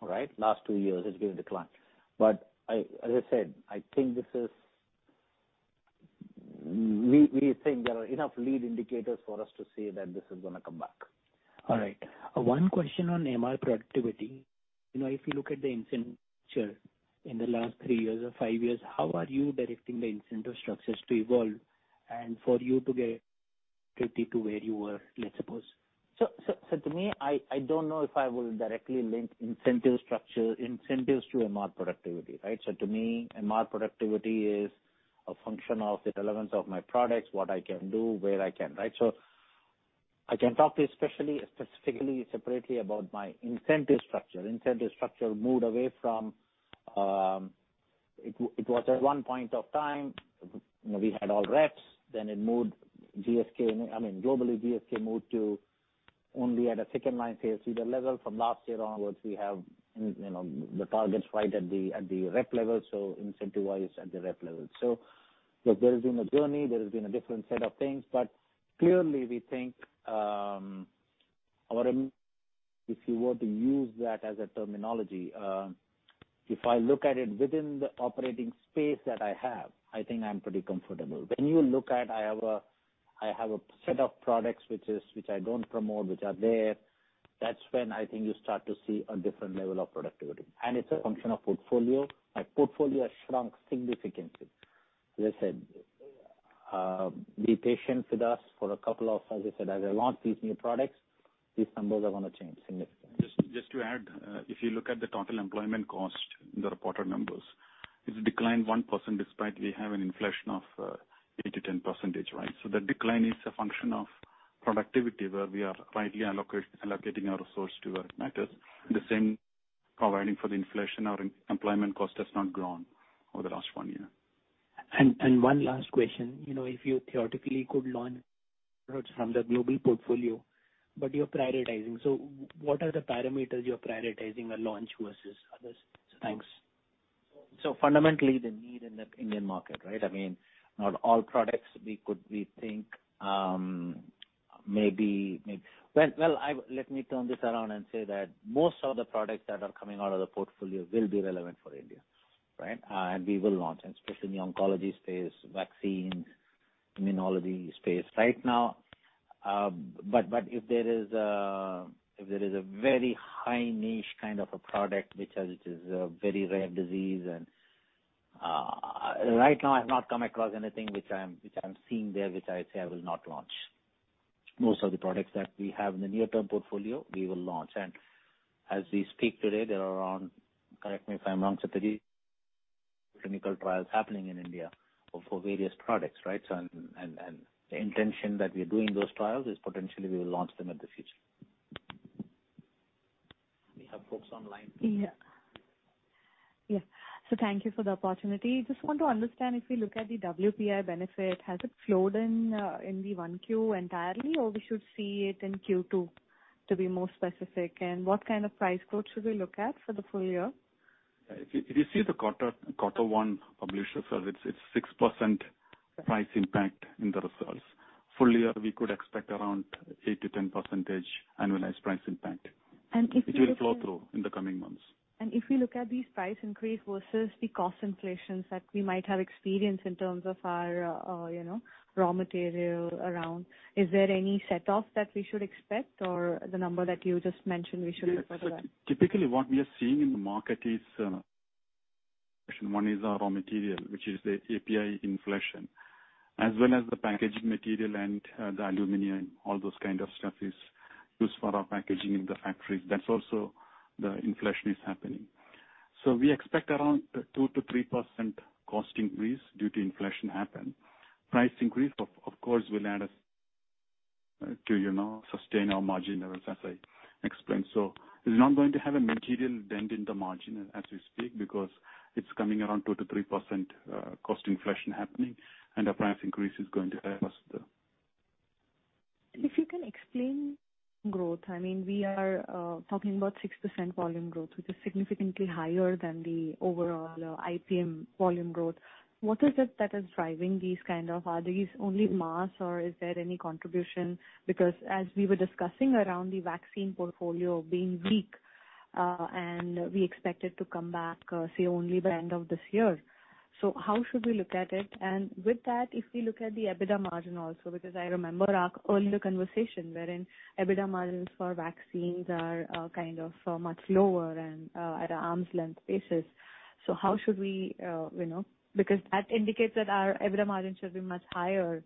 All right? Last two years, it's been a decline. I, as I said, I think this is. We think there are enough lead indicators for us to say that this is gonna come back. All right. One question on MR productivity. You know, if you look at the incentive structure in the last three years or five years, how are you directing the incentive structures to evolve and for you to get 50 to where you were, let's suppose? To me, I don't know if I will directly link incentive structure, incentives to MR productivity, right? To me, MR productivity is a function of the relevance of my products, what I can do, where I can, right? I can talk especially, specifically, separately about my incentive structure. Incentive structure moved away from. It was at one point of time, you know, we had all reps, then it moved GSK, I mean, globally, GSK moved to only at a second-line PCV level. From last year onwards, we have, you know, the targets right at the, at the rep level, so incentive-wise at the rep level. Look, there has been a journey, there has been a different set of things. Clearly, we think, our, if you were to use that as a terminology, if I look at it within the operating space that I have, I think I'm pretty comfortable. When you look at, I have a set of products which I don't promote, which are there, that's when I think you start to see a different level of productivity. It's a function of portfolio. My portfolio has shrunk significantly. As I said, as I launch these new products, these numbers are gonna change significantly. Just to add, if you look at the total employment cost in the reported numbers, it's declined 1% despite we have an inflation of 8%-10%, right? The decline is a function of productivity, where we are rightly allocating our resource to where it matters. The same providing for the inflation, our employment cost has not grown over the last one year. One last question. You know, if you theoretically could launch from the global portfolio, but you're prioritizing. What are the parameters you're prioritizing a launch versus others? Thanks. Fundamentally, the need in the Indian market, right? I mean, let me turn this around and say that most of the products that are coming out of the portfolio will be relevant for India, right? We will launch, especially in the oncology space, vaccines, immunology space. Right now, if there is a very high niche kind of a product which has, it is a very rare disease. Right now, I've not come across anything which I'm seeing there, which I say I will not launch. Most of the products that we have in the near-term portfolio we will launch. As we speak today, there are around, correct me if I'm wrong, Satish, clinical trials happening in India for various products, right? The intention that we are doing those trials is potentially we will launch them in the future. We have folks online. Thank you for the opportunity. Just want to understand, if you look at the WPI benefit, has it flowed in in the 1Q entirely, or we should see it in Q2, to be more specific? And what kind of price cut should we look at for the full year? If you see the quarter one public service, it's 6% price impact in the results. Full year, we could expect around 8%-10% annualized price impact. If you look at. It will flow through in the coming months. If we look at these price increase versus the cost inflations that we might have experienced in terms of our, you know, raw material around, is there any offset that we should expect or the number that you just mentioned we should look for? Typically, what we are seeing in the market is, one is our raw material, which is the API inflation, as well as the packaging material and the aluminum, all those kind of stuff is used for our packaging in the factories. That's also, the inflation is happening. We expect around 2%-3% cost increase due to inflation happen. Price increase of course will add us to, you know, sustain our margin as I explained. It's not going to have a material dent in the margin as we speak because it's coming around 2%-3% cost inflation happening and our price increase is going to help us there. If you can explain growth. I mean, we are talking about 6% volume growth, which is significantly higher than the overall IPM volume growth. What is it that is driving these kind of? Are these only mass or is there any contribution? Because as we were discussing around the vaccine portfolio being weak, and we expect it to come back, say only by end of this year. So how should we look at it? And with that, if we look at the EBITDA margin also, because I remember our earlier conversation wherein EBITDA margins for vaccines are, kind of much lower and, at an arm's length basis. So how should we, you know, because that indicates that our EBITDA margin should be much higher.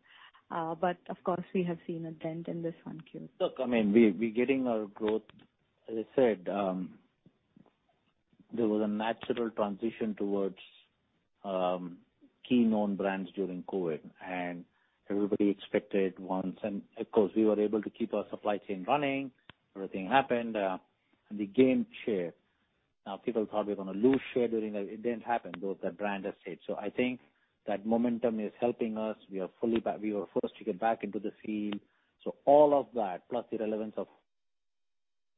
Of course, we have seen a dent in this one Q. Look, I mean, we're getting our growth. As I said, there was a natural transition towards key known brands during COVID. Everybody expected. Of course, we were able to keep our supply chain running. Everything happened, and we gained share. Now people thought we were gonna lose share during that. It didn't happen, though. The brand has stayed. I think that momentum is helping us. We are fully back. We were first to get back into the field. All of that, plus the relevance of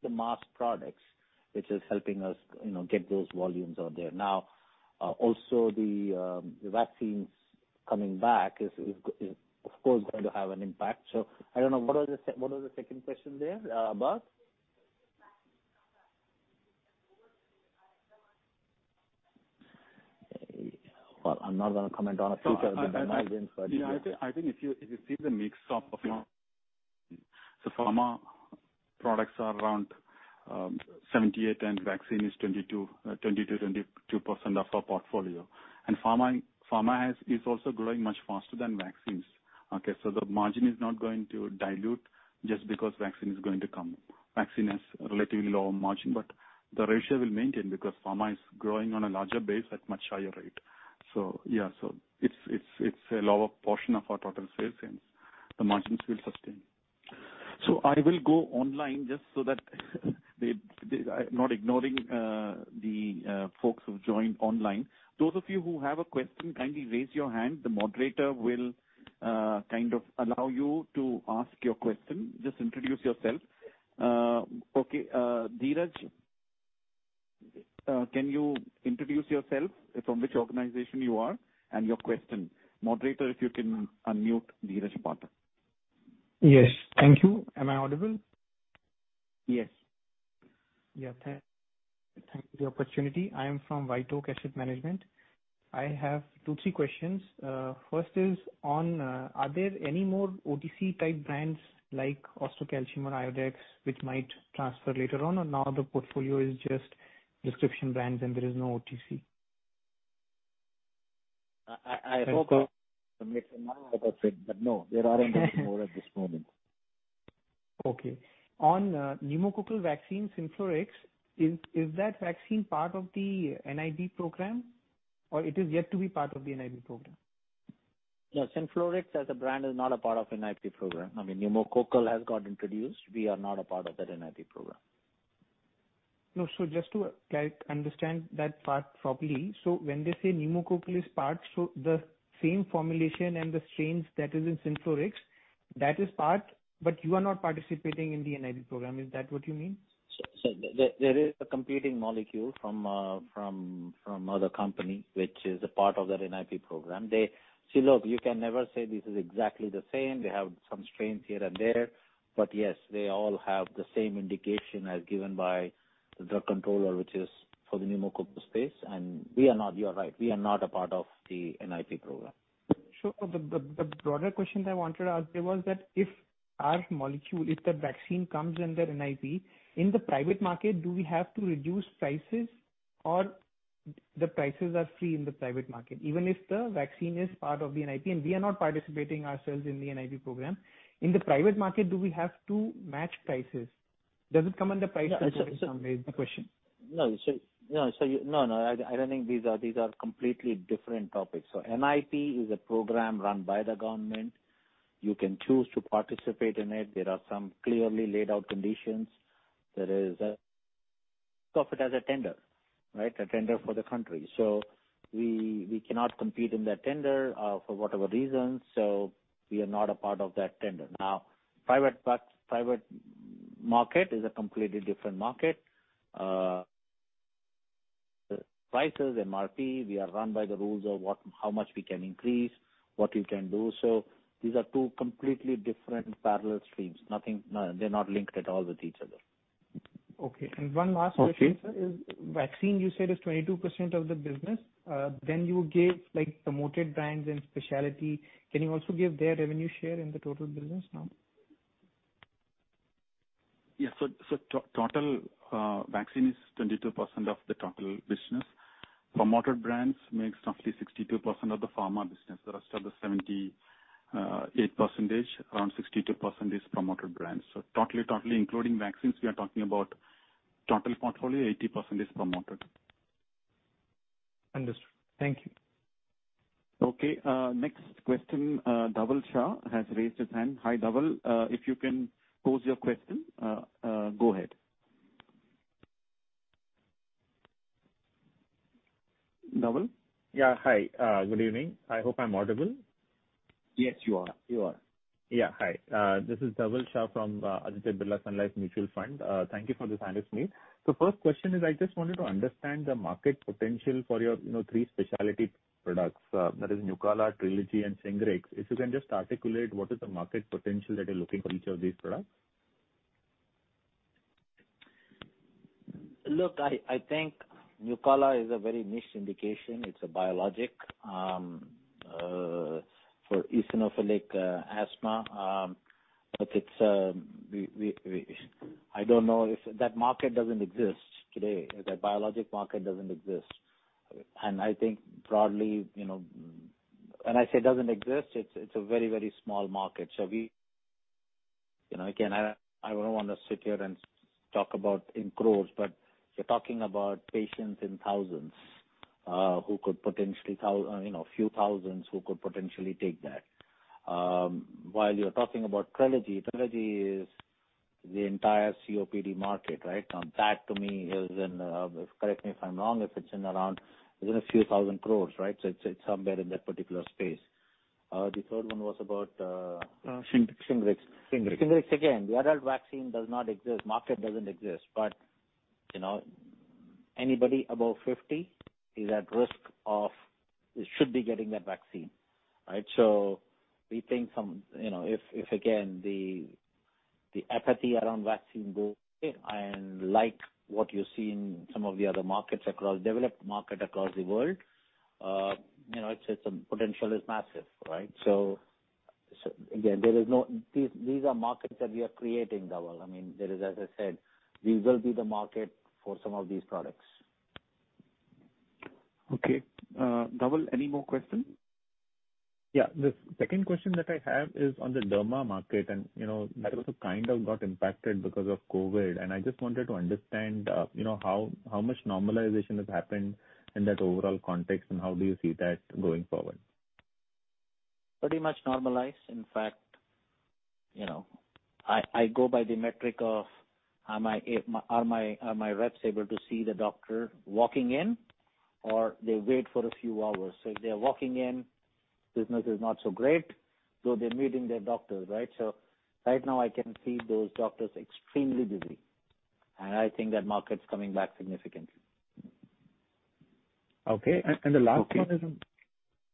the mass products, which is helping us, you know, get those volumes out there. Also the vaccines coming back is of course going to have an impact. I don't know. What was the second question there, Bart? Well, I'm not gonna comment on a future. Yeah, I think if you see the mix of pharma products are around 78% and vaccine is 22%, 20%-22% of our portfolio. Pharma is also growing much faster than vaccines. Okay, the margin is not going to dilute just because vaccine is going to come. Vaccine has relatively lower margin, but the ratio will maintain because pharma is growing on a larger base at much higher rate. Yeah, it's a lower portion of our total sales and the margins will sustain. I will go online just so that I'm not ignoring the folks who've joined online. Those of you who have a question, kindly raise your hand. The moderator will kind of allow you to ask your question. Just introduce yourself. Okay, Dheeraj, can you introduce yourself, from which organization you are, and your question? Moderator, if you can unmute Dheeraj Pathak. Yes. Thank you. Am I audible? Yes. Thank you for the opportunity. I am from [Vital] Asset Management. I have two or three questions. First is on, are there any more OTC type brands like Ostocalcium or Iodex which might transfer later on? Or now the portfolio is just prescription brands and there is no OTC? I hope, but no. There are no more at this moment. Okay. On pneumococcal vaccine, Synflorix, is that vaccine part of the NIP program or it is yet to be part of the NIP program? Yeah. Synflorix as a brand is not a part of NIP program. I mean, pneumococcal has got introduced. We are not a part of that NIP program. No. Just to like understand that part properly, when they say pneumococcal is part, the same formulation and the strains that is in Synflorix, that is part but you are not participating in the NIP program. Is that what you mean? There is a competing molecule from other company which is a part of that NIP program. See, look, you can never say this is exactly the same. They have some strains here and there. Yes, they all have the same indication as given by the drug controller, which is for the pneumococcal space. You are right, we are not a part of the NIP program. Sure. The broader question I wanted to ask you was that if our molecule, if the vaccine comes under NIP, in the private market, do we have to reduce prices or the prices are free in the private market? Even if the vaccine is part of the NIP, and we are not participating ourselves in the NIP program, in the private market, do we have to match prices? Does it come under price is the question. No, I don't think these are completely different topics. NIP is a program run by the government. You can choose to participate in it. There are some clearly laid out conditions. There is a tender, right? A tender for the country. We cannot compete in that tender for whatever reasons. We are not a part of that tender. Now, private market is a completely different market. Prices, MRP, we are run by the rules of what, how much we can increase, what you can do. These are two completely different parallel streams. Nothing, they're not linked at all with each other. Okay. One last question, sir. Okay. Is vaccine you said is 22% of the business? You gave like promoted brands and specialty. Can you also give their revenue share in the total business now? Yes. Total vaccine is 22% of the total business. Promoted brands makes roughly 62% of the pharma business. The rest of the 78%, around 62% is promoted brands. Totally including vaccines, we are talking about total portfolio, 80% is promoted. Understood. Thank you. Okay, next question, Dhaval Shah has raised his hand. Hi, Dhaval. If you can pose your question, go ahead. Dhaval? Yeah. Hi. Good evening. I hope I'm audible. Yes, you are. Yeah. Hi, this is Dhaval Shah from Aditya Birla Sun Life Mutual Fund. Thank you for this analyst meet. First question is, I just wanted to understand the market potential for your, you know, three specialty products, that is NUCALA, TRELEGY, and SHINGRIX. If you can just articulate what is the market potential that you're looking for each of these products. Look, I think NUCALA is a very niche indication. It's a biologic for eosinophilic asthma. I don't know if that market doesn't exist today. The biologic market doesn't exist. I think broadly, you know, when I say it doesn't exist, it's a very, very small market. We, you know, again, I don't wanna sit here and talk about in crores, but you're talking about patients in thousands, you know, few thousands who could potentially take that. While you're talking about TRELEGY is the entire COPD market, right? That to me is in, correct me if I'm wrong, if it's around, is it a few thousand crores, right? It's somewhere in that particular space. The third one was about. SHINGRIX. SHINGRIX. SHINGRIX, again, the adult vaccine does not exist. Market doesn't exist. You know, anybody above 50 is at risk of. They should be getting that vaccine, right? We think some, you know, if again, the apathy around vaccines goes, and like what you see in some of the other markets across developed markets across the world, you know, the potential is massive, right? Again, these are markets that we are creating, Dhaval. I mean, as I said, these will be the markets for some of these products. Okay. Dhaval, any more questions? Yeah. The second question that I have is on the derma market, and, you know, that also kind of got impacted because of COVID. I just wanted to understand, you know, how much normalization has happened in that overall context and how do you see that going forward? Pretty much normalized. In fact, you know, I go by the metric of are my reps able to see the doctor walking in or they wait for a few hours? If they are walking in, business is not so great, though they're meeting their doctors, right? Right now I can see those doctors extremely busy, and I think that market's coming back significantly. Okay. Okay. The last one is on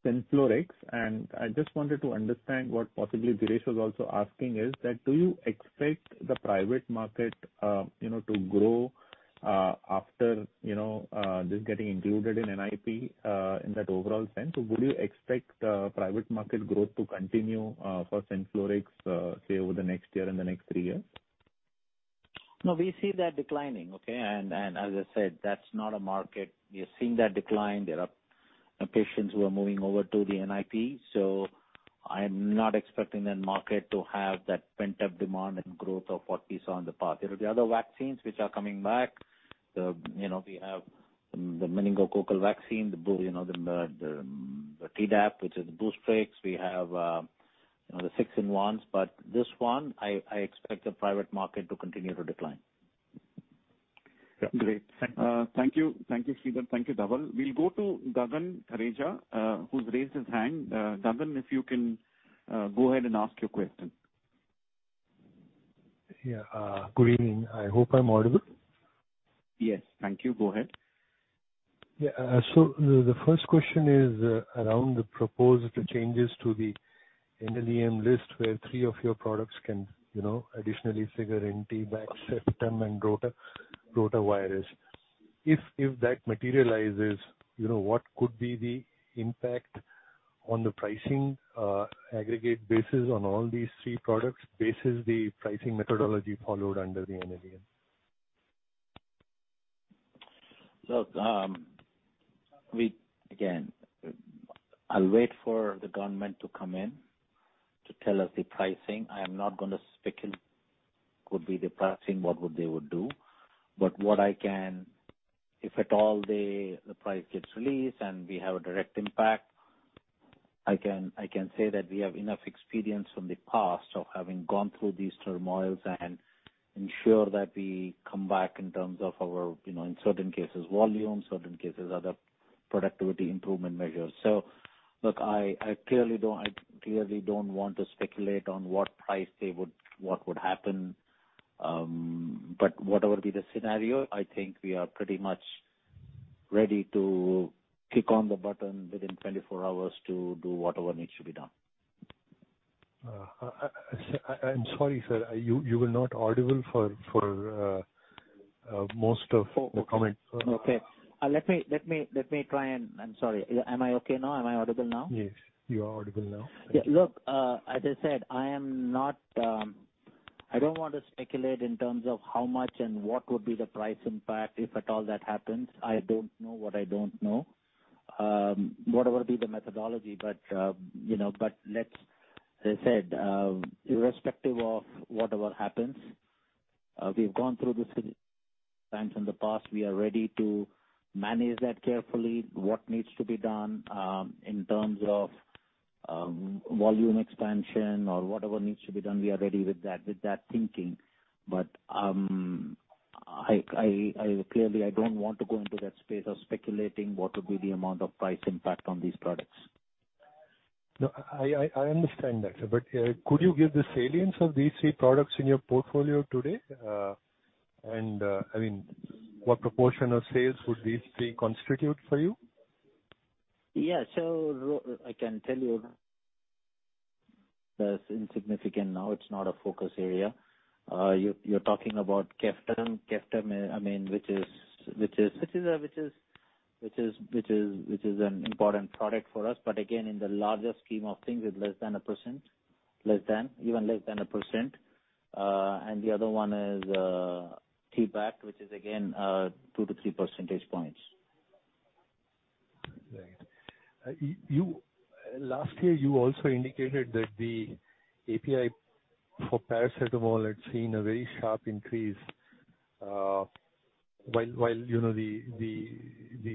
Synflorix, and I just wanted to understand what possibly Girish was also asking is that do you expect the private market, you know, to grow, after, you know, this getting included in NIP, in that overall sense? Would you expect private market growth to continue for Synflorix, say over the next year and the next three years? No, we see that declining, okay. As I said, that's not a market. We are seeing that decline. There are patients who are moving over to the NIP. I'm not expecting that market to have that pent-up demand and growth of what we saw in the past. There are the other vaccines which are coming back. You know, we have the meningococcal vaccine, the Tdap, which is the BOOSTRIX. We have, you know, the six in ones. This one, I expect the private market to continue to decline. Yeah. Great. Thank you. Thank you, Sridhar. Thank you, Dhaval. We'll go to Gagan Khareja, who's raised his hand. Gagan, if you can, go ahead and ask your question. Yeah. Good evening. I hope I'm audible. Yes. Thank you. Go ahead. Yeah. So the first question is around the proposed changes to the NLEM list, where three of your products can, you know, additionally figure in T-BACT, SEPTRA and ROTARIX. If that materializes, you know, what could be the impact on the pricing, aggregate basis on all these three products versus the pricing methodology followed under the NLEM? Look, again, I'll wait for the government to come in to tell us the pricing. I am not gonna speculate on what the pricing could be, what they would do. What I can, if at all the price gets released and we have a direct impact, I can say that we have enough experience from the past of having gone through these turmoils and ensure that we come back in terms of our, you know, in certain cases volume, certain cases other productivity improvement measures. Look, I clearly don't want to speculate on what would happen. Whatever be the scenario, I think we are pretty much ready to click on the button within 24 hours to do whatever needs to be done. I'm sorry, sir. You were not audible for most of the comments. Oh, okay. I'm sorry. Am I okay now? Am I audible now? Yes. You are audible now. Thank you. Yeah. Look, as I said, I am not. I don't want to speculate in terms of how much and what would be the price impact, if at all that happens. I don't know what I don't know. Whatever be the methodology, but you know. As I said, irrespective of whatever happens, we've gone through these times in the past. We are ready to manage that carefully. What needs to be done, in terms of volume expansion or whatever needs to be done, we are ready with that, with that thinking. I, clearly, I don't want to go into that space of speculating what would be the amount of price impact on these products. No, I understand that, sir. Could you give the salience of these three products in your portfolio today? I mean, what proportion of sales would these three constitute for you? I can tell you that's insignificant now. It's not a focus area. You're talking about KEFTAB. KEFTAB, I mean, which is an important product for us. But again, in the larger scheme of things, it's less than 1%. Even less than 1%. And the other one is T-BACT, which is again two to three percentage points. Right. Last year you also indicated that the API for paracetamol had seen a very sharp increase, while you know the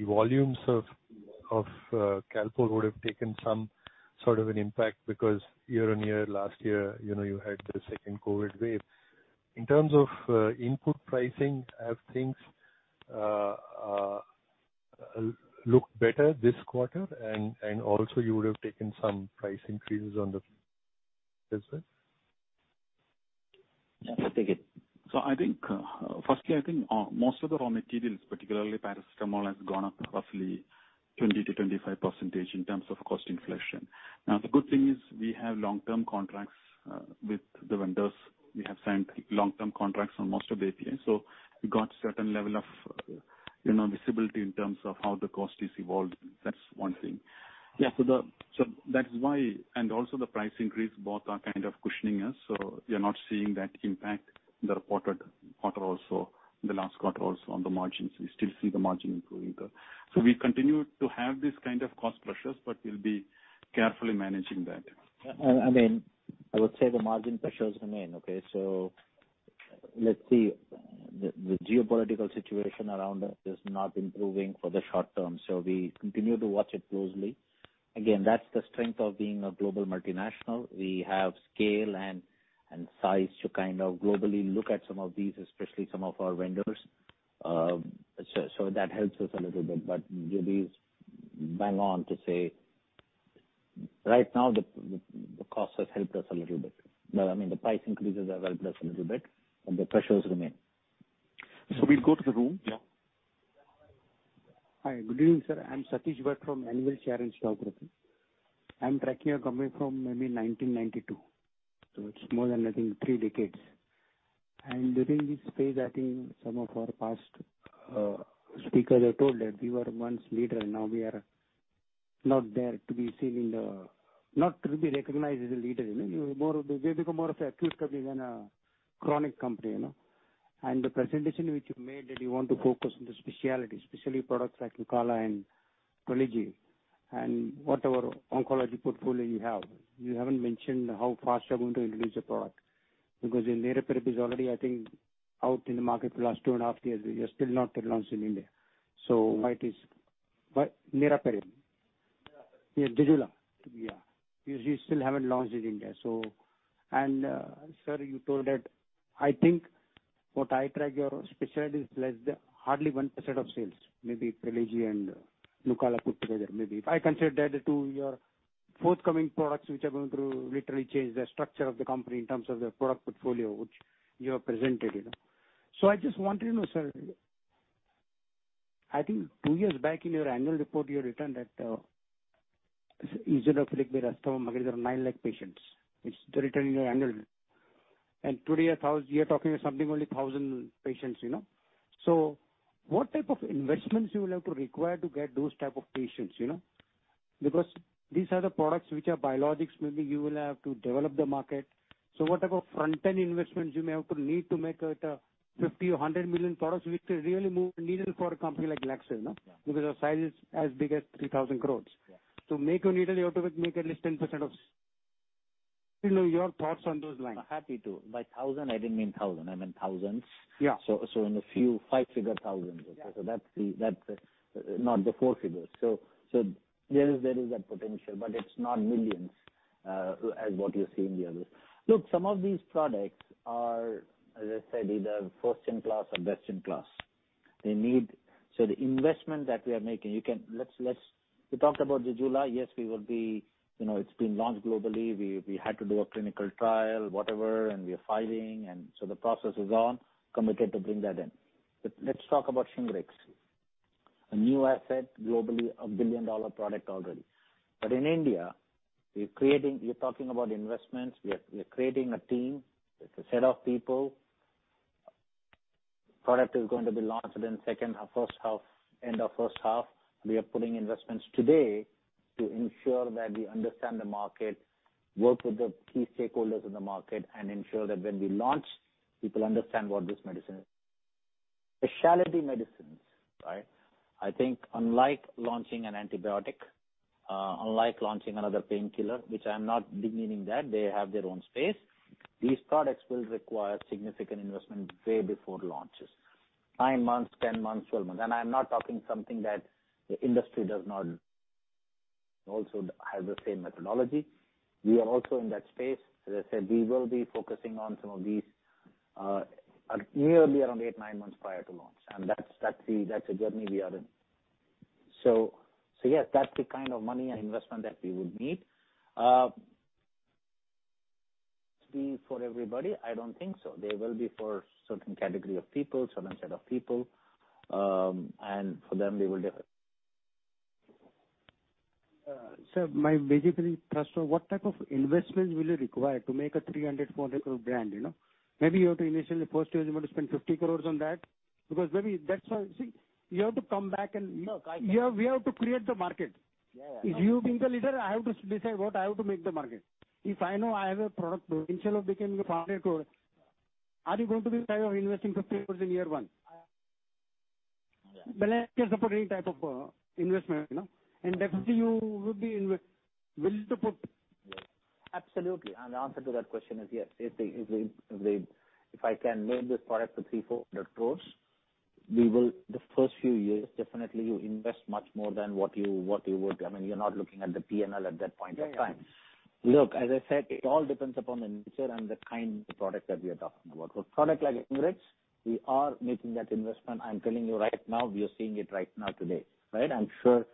volumes of Calpol would have taken some sort of an impact because year on year, last year, you know you had the second COVID wave. In terms of input pricing, have things? Look better this quarter and also you would have taken some price increases on the business. Yeah, take it. I think, firstly, I think, most of the raw materials, particularly paracetamol, has gone up roughly 20-25% in terms of cost inflation. Now, the good thing is we have long-term contracts with the vendors. We have signed long-term contracts on most of API. We got certain level of, you know, visibility in terms of how the cost is evolved. That's one thing. That's why. And also the price increase both are kind of cushioning us, so we are not seeing that impact the reported quarter also, the last quarter also on the margins. We still see the margin improving. We continue to have these kind of cost pressures, but we'll be carefully managing that. I mean, I would say the margin pressures remain. Okay. Let's see. The geopolitical situation around us is not improving for the short term, so we continue to watch it closely. Again, that's the strength of being a global multinational. We have scale and size to kind of globally look at some of these, especially some of our vendors. So that helps us a little bit. Juby's bang on to say right now the costs have helped us a little bit. I mean, the price increases have helped us a little bit, but the pressures remain. We'll go to the room. Yeah. Hi. Good evening, sir. I'm Satish Bhatt from Anvil Share& Stock Broking. I'm tracking your company from maybe 1992, so it's more than I think three decades. During this phase, I think some of our past speakers have told that we were once leader and now we are not there to be seen. Not to be recognized as a leader, you know. We have become more of a acute company than a chronic company, you know. The presentation which you made that you want to focus on the specialty products like NUCALA and TRELEGY and whatever oncology portfolio you have, you haven't mentioned how fast you are going to introduce the product. Because the niraparib is already, I think, out in the market for the last two and a half years, we are still not yet launched in India. Why it is. What? Niraparib. Yeah. Yes, ZEJULA. Yeah. You still haven't launched in India, so. Sir, you told that I think what I track your specialties less than hardly 1% of sales, maybe TRELEGY and NUCALA put together maybe. If I consider that to your forthcoming products which are going to literally change the structure of the company in terms of their product portfolio, which you have presented, you know. I just want to know, sir. I think two years back in your annual report you had written that ZEJULA targets a market of nine lakh patients. It's written in your annual. Today we are talking something only 1,000 patients, you know. What type of investments you will have to require to get those type of patients, you know? Because these are the products which are biologics. Maybe you will have to develop the market. What type of front-end investments you may have to need to make at a 50 million or 100 million products which is really move needle for a company like Glaxo, you know. Yeah. Because our size is as big as 3,000 crores. Yeah. To make a needle, you have to make at least 10%. You know, your thoughts on those lines. Happy to. By thousand, I didn't mean thousand. I meant thousands. Yeah. in a few five-figure thousands. Yeah. That's the. Not the four figures. There is that potential, but it's not millions as what you see in the others. Look, some of these products are, as I said, either first in class or best in class. They need. The investment that we are making, you can, let's. We talked about ZEJULA. Yes, we will be, you know, it's been launched globally. We had to do a clinical trial, whatever, and we are filing and so the process is on, committed to bring that in. Let's talk about SHINGRIX, a new asset, globally a billion-dollar product already. In India, we're creating. You're talking about investments. We are creating a team. It's a set of people. Product is going to be launched within second half, first half, end of first half. We are putting investments today to ensure that we understand the market, work with the key stakeholders in the market and ensure that when we launch, people understand what this medicine is. Specialty medicines, right? I think unlike launching an antibiotic, unlike launching another painkiller, which I'm not demeaning that they have their own space, these products will require significant investment way before launches. Nine months, 10 months, 12 months. I'm not talking something that the industry does not also have the same methodology. We are also in that space. As I said, we will be focusing on some of these, nearly around eight, nine months prior to launch. That's the journey we are in. Yes, that's the kind of money and investment that we would need. Be for everybody? I don't think so. They will be for certain category of people, certain set of people, and for them they will differ. Sir, my basically first one, what type of investments will you require to make an 300 crore-400 crore brand, you know? Maybe you have to initially first you want to spend 50 crore on that because maybe that's why. See, you have to come back and. No, I. We have to create the market. Yeah, yeah. If you being the leader, I have to decide what I have to make the market. If I know I have a product potential of becoming a INR 400 crore, are you going to be investing 50 crore in year one? Yeah. Balance sheet support any type of investment, you know, and definitely you would be willing to put. Yeah. Absolutely. The answer to that question is yes. If I can make this product to 300 crore-400 crore, we will. The first few years, definitely you invest much more than what you would. I mean, you're not looking at the P&L at that point of time. Look, as I said, it all depends upon the nature and the kind of product that we are talking about. For product like SHINGRIX, we are making that investment. I'm telling you right now, we are seeing it right now today, right? I'm sure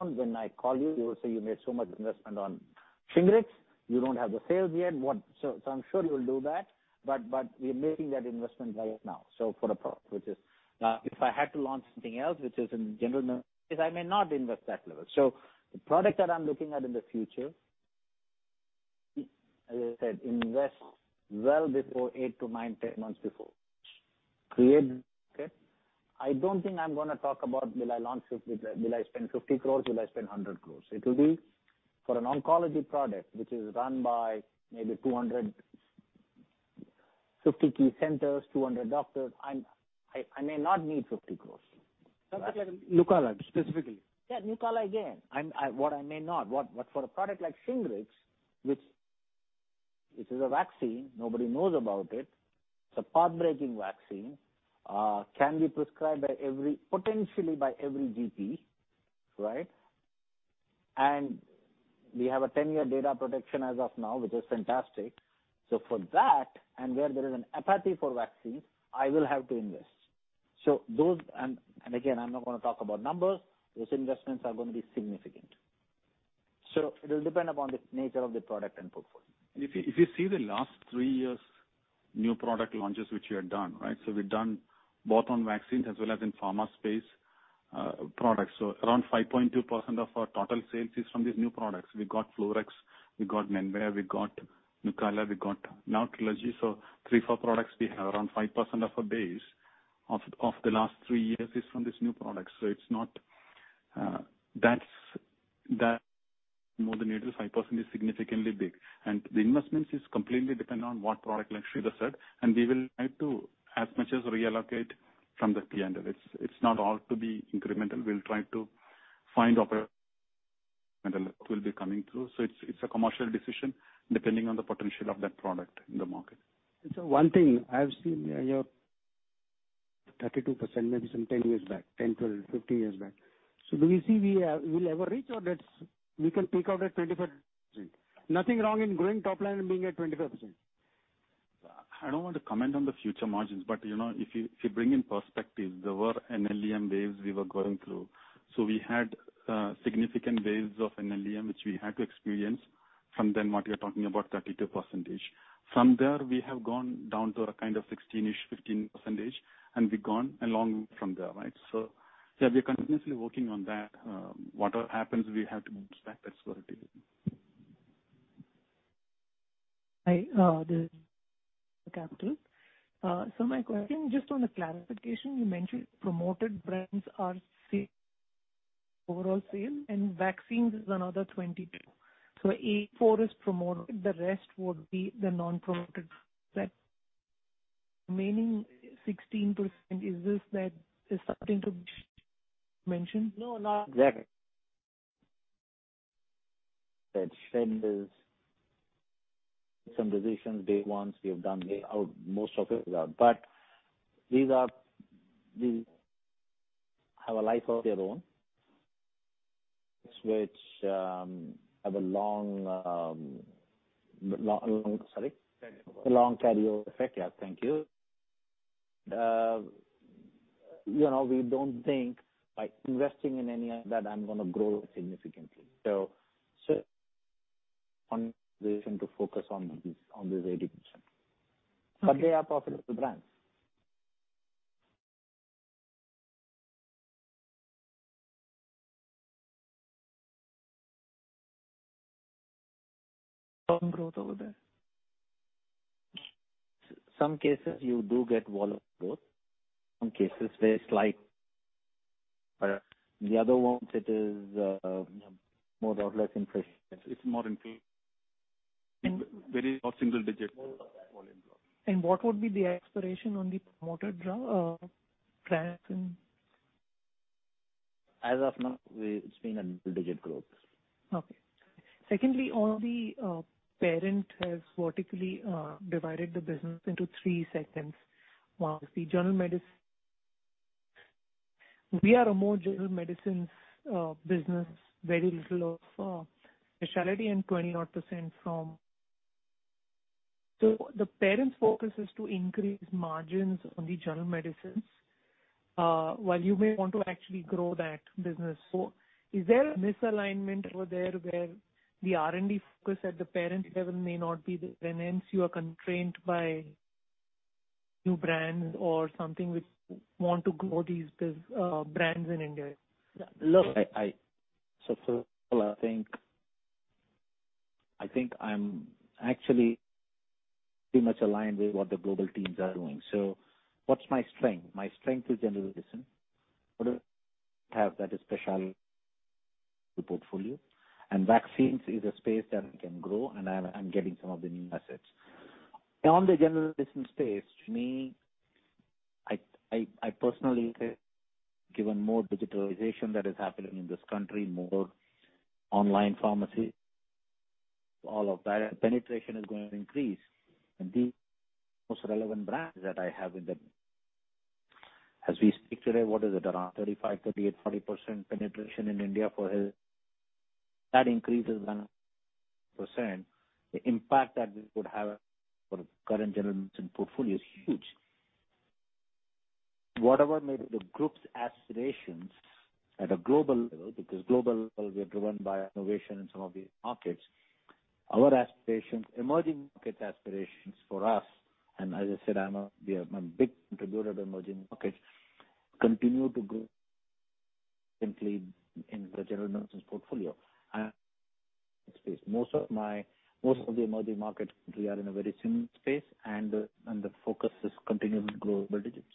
when I call you will say you made so much investment on SHINGRIX, you don't have the sales yet. I'm sure you will do that. But we are making that investment right now. For the product, which is if I had to launch something else, which is in general, I may not invest that level. The product that I'm looking at in the future, as I said, invest well before eight to 10 months before. I don't think I'm gonna talk about will I launch with, will I spend 50 crore, will I spend 100 crore. It will be for an oncology product, which is run by maybe 250 key centers, 200 doctors. I may not need 50 crore. NUCALA specifically. Yeah, NUCALA, again. What for a product like SHINGRIX, which this is a vaccine nobody knows about it. It's a pathbreaking vaccine, can be prescribed potentially by every GP, right? We have a 10-year data protection as of now, which is fantastic. For that, where there is an apathy for vaccines, I will have to invest. Again, I'm not gonna talk about numbers. Those investments are gonna be significant. It'll depend upon the nature of the product and portfolio. If you see the last three years new product launches, which you have done, right? We've done both on vaccines as well as in pharma space, products. Around 5.2% of our total sales is from these new products. We got FLUARIX, we got MENVEO, we got NUCALA, we got, now TRELEGY. Three, four products, we have around 5% of our base of the last three years is from these new products. It's not. That's that more than 5%-8% is significantly big. The investments is completely dependent on what product, like Sridhar said, and we will try to as much as reallocate from the P&L. It's not all to be incremental. We'll try to find operational that will be coming through. It's a commercial decision depending on the potential of that product in the market. One thing I've seen your 32% maybe some 10 years back, 10, 12, 15 years back. Do we see we will ever reach or that's we can peak out at 25%. Nothing wrong in growing top line and being at 25%. I don't want to comment on the future margins, but you know, if you bring in perspective, there were NLEM waves we were going through. We had significant waves of NLEM, which we had to experience from then what we are talking about 32%. From there we have gone down to a kind of 16-ish, 15% and we've gone a long way from there, right? Yeah, we are continuously working on that. Whatever happens, we have to move back. That's where it is. Hi, this is [Capital Group]. My question just on the clarification, you mentioned promoted brands are sales, overall sales, and vaccines is another 22. A4 is promoted. The rest would be the non-promoted, right? Remaining 16% is this that is something to be mentioned? No, not exactly. That trend is some decisions day one we have done, most of it is out. These are, these have a life of their own, which have a long. Sorry. Carryover. A long carryover effect. Yeah, thank you. You know, we don't think by investing in any of that, I'm gonna grow significantly. One reason to focus on this 80%. Okay. They are profitable brands. Long growth over there. Some cases you do get volume growth, some cases very slight. The other ones, it is, more or less compression. It's more inclusive. Very or single-digit volume growth. What would be the expiration on the promoted brands in? As of now, it's been a double-digit growth. Okay. Secondly, the parent has vertically divided the business into three segments. One is the general medicine. We are a more general medicines business, very little of specialty and 20 odd percent from. The parent's focus is to increase margins on the general medicines while you may want to actually grow that business. Is there a misalignment over there where the R&D focus at the parent level may not be there, and hence you are constrained by new brands or something which want to grow these brands in India? Look, first of all, I think I'm actually pretty much aligned with what the global teams are doing. What's my strength? My strength is general medicine. What I have that is specialty portfolio. Vaccines is a space that we can grow, and I'm getting some of the new assets. Now, on the general medicine space, to me, personally given more digitalization that is happening in this country, more online pharmacy, all of that penetration is going to increase. The most relevant brands that I have in the. As we speak today, what is it? Around 35%-40% penetration in India for health. That increase is around percent. The impact that this would have for the current general medicine portfolio is huge. Whatever may be the group's aspirations at a global level, because global level, we are driven by innovation in some of these markets. Our aspirations, emerging market aspirations for us, and as I said, I'm a big contributor to emerging markets, continue to grow simply in the general medicines portfolio. Most of the emerging markets, we are in a very similar space and the focus is continuing to grow double digits.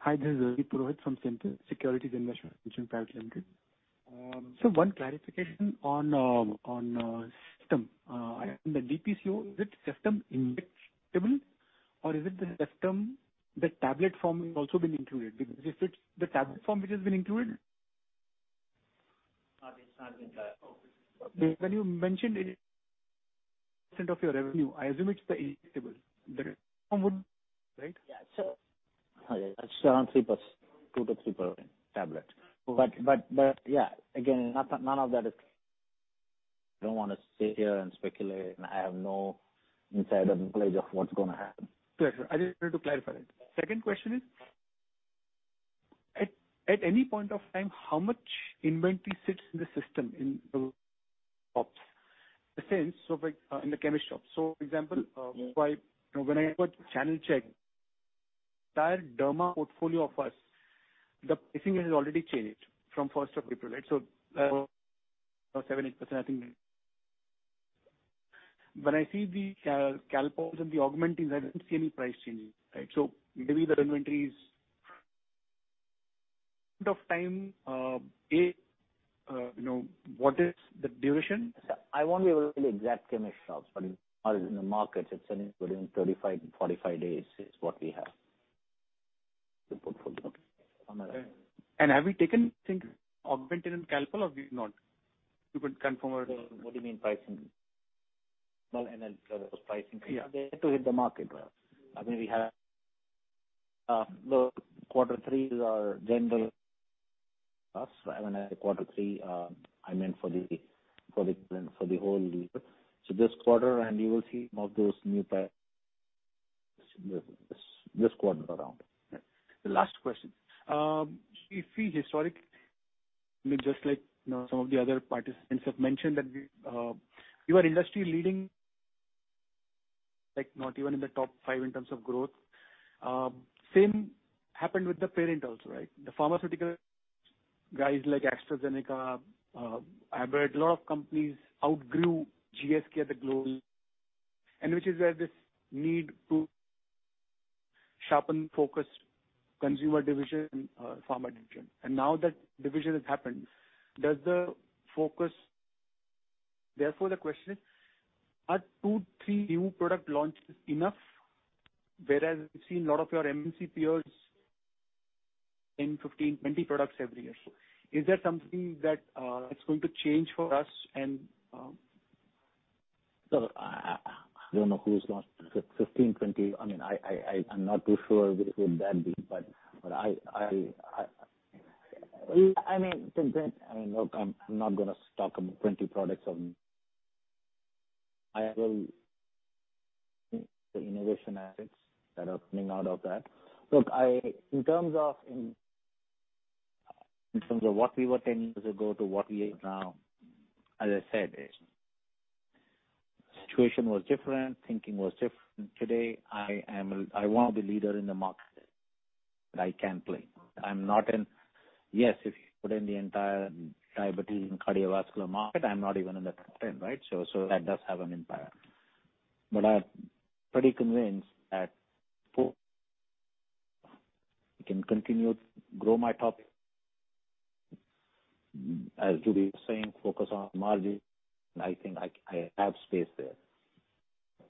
Hi, this is Rohit from [Centrum Broking]. Mm-hmm. Which in private sector. One clarification on CEFTUM. The DPCO, is it CEFTUM injectable or is it the CEFTUM the tablet form has also been included? Because if it's the tablet form which has been included. When you mentioned 10% of your revenue, I assume it's the injectable. That would, right? It's around 3%. 2%-3% tablet. Okay. Yeah. Again, none of that is. Don't wanna sit here and speculate, and I have no insider knowledge of what's gonna happen. Sure, sure. I just wanted to clarify it. Second question is, at any point of time, how much inventory sits in the CEFTUM in the shops? In a sense, so like, in the chemist shops. For example, when I go to channel check, entire derma portfolio of us, the pricing has already changed from first of April, right? So, 7-8% I think. When I see the Calpol and the AUGMENTIN, I don't see any price changes, right? So maybe the inventories point of time, you know, what is the duration? I won't be able to tell you exact chemist shops but in the markets, it's anywhere between 35 and 45 days is what we have. The portfolio. Okay. On that. Have we taken into AUGMENTIN and Calpol or we've not? You could confirm or What do you mean, pricing? Well, in a pricing. Yeah. They're yet to hit the market. I mean, we have the quarter threes are generally U.S. When I say quarter three, I meant for the whole year. This quarter and you will see more of those new prices this quarter around. The last question. I mean, just like, you know, some of the other participants have mentioned that you're not industry-leading, like not even in the top five in terms of growth. The same happened with the parent also, right? The pharmaceutical guys like AstraZeneca, Abbott, a lot of companies outgrew GSK globally. Which is where this need to sharpen focus on consumer division, pharma division. Now that division has happened. Therefore the question is, are two, three new product launches enough? Whereas we've seen a lot of your MNC peers 10, 15, 20 products every year. Is there something that's going to change for us? I don't know who's launched 15, 20. I mean, I'm not too sure who would that be, but I. I mean, look, I'm not gonna talk about 20 products on. I will, the innovation assets that are coming out of that. Look, in terms of what we were 10 years ago to what we are now, as I said, situation was different, thinking was different. Today, I want to be leader in the market that I can play. I'm not in. Yes, if you put in the entire diabetes and cardiovascular market, I'm not even in the top 10, right? That does have an impact. But I'm pretty convinced that for, I can continue to grow my top. As Juby was saying, focus on margin, and I think I have space there.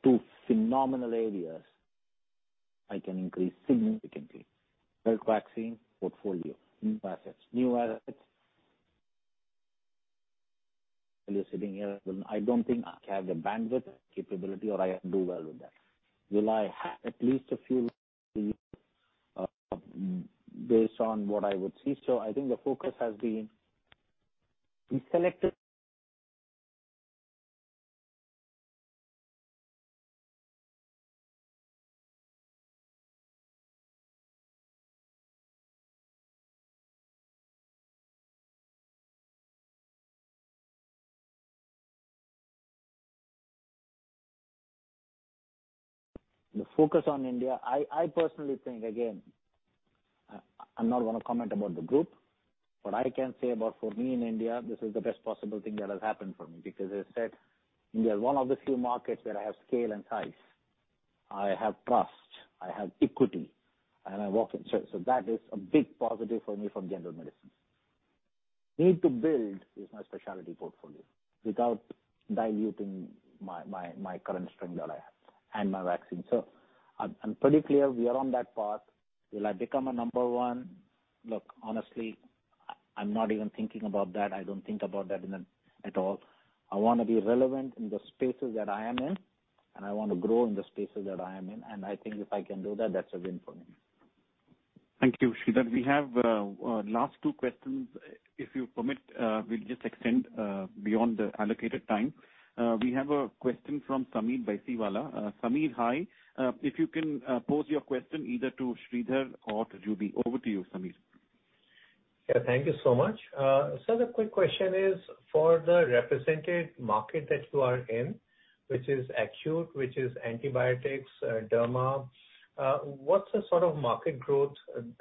Two phenomenal areas I can increase significantly. Health vaccine portfolio, new assets. New assets sitting here, I don't think I have the bandwidth, capability or I can do well with that. Will I have at least a few based on what I would see. I think the focus has been we selected. The focus on India, I personally think, again, I’m not gonna comment about the group, what I can say about for me in India, this is the best possible thing that has happened for me because as I said, India is one of the few markets where I have scale and size. I have trust, I have equity, and I walk in. That is a big positive for me from general medicines. Need to build is my specialty portfolio without diluting my current strength that I have and my vaccine. I'm pretty clear we are on that path. Will I become a number one? Look, honestly, I'm not even thinking about that. I don't think about that at all. I wanna be relevant in the spaces that I am in, and I wanna grow in the spaces that I am in. I think if I can do that's a win for me. Thank you, Sridhar. We have last two questions. If you permit, we'll just extend beyond the allocated time. We have a question from Sameer Baisiwala. Sameer, hi. If you can pose your question either to Sridhar or to Juby. Over to you, Sameer. Yeah, thank you so much. The quick question is, for the represented market that you are in, which is acute, which is antibiotics, derma, what's the sort of market growth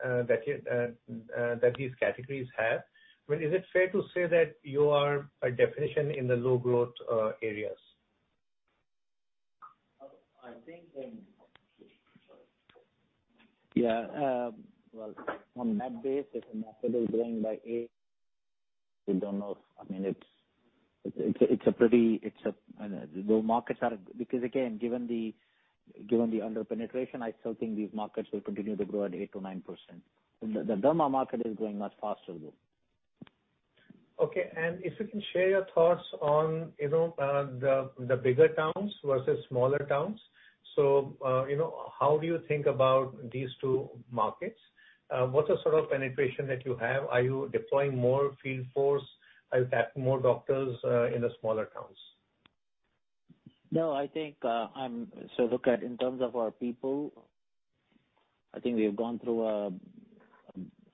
that these categories have? Well, is it fair to say that you are a definition in the low growth areas? Well, on that basis, if the market is growing by 8%, we don't know. I mean, again, given the under-penetration, I still think these markets will continue to grow at 8%-9%. The derma market is growing much faster, though. Okay. If you can share your thoughts on, you know, the bigger towns versus smaller towns. You know, how do you think about these two markets? What's the sort of penetration that you have? Are you deploying more field force? Are you getting more doctors in the smaller towns? No, I think look at in terms of our people. I think we have gone through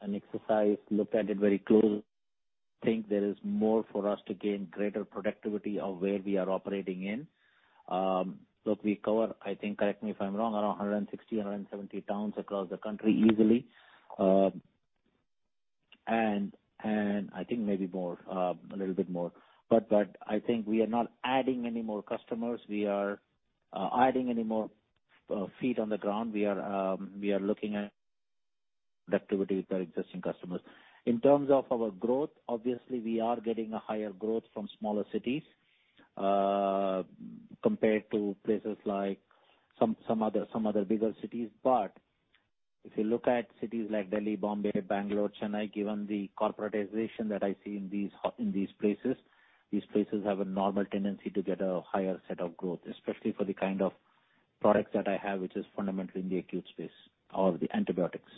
an exercise, looked at it very closely. I think there is more for us to gain greater productivity of where we are operating in. Look, we cover, I think, correct me if I'm wrong, around 160-170 towns across the country easily. I think maybe more, a little bit more. I think we are not adding any more customers. We are not adding any more feet on the ground. We are looking at the activity with our existing customers. In terms of our growth, obviously we are getting a higher growth from smaller cities compared to places like some other bigger cities. If you look at cities like Delhi, Bombay, Bangalore, Chennai, given the corporatization that I see in these places, these places have a normal tendency to get a higher set of growth, especially for the kind of products that I have, which is fundamental in the acute space or the antibiotics.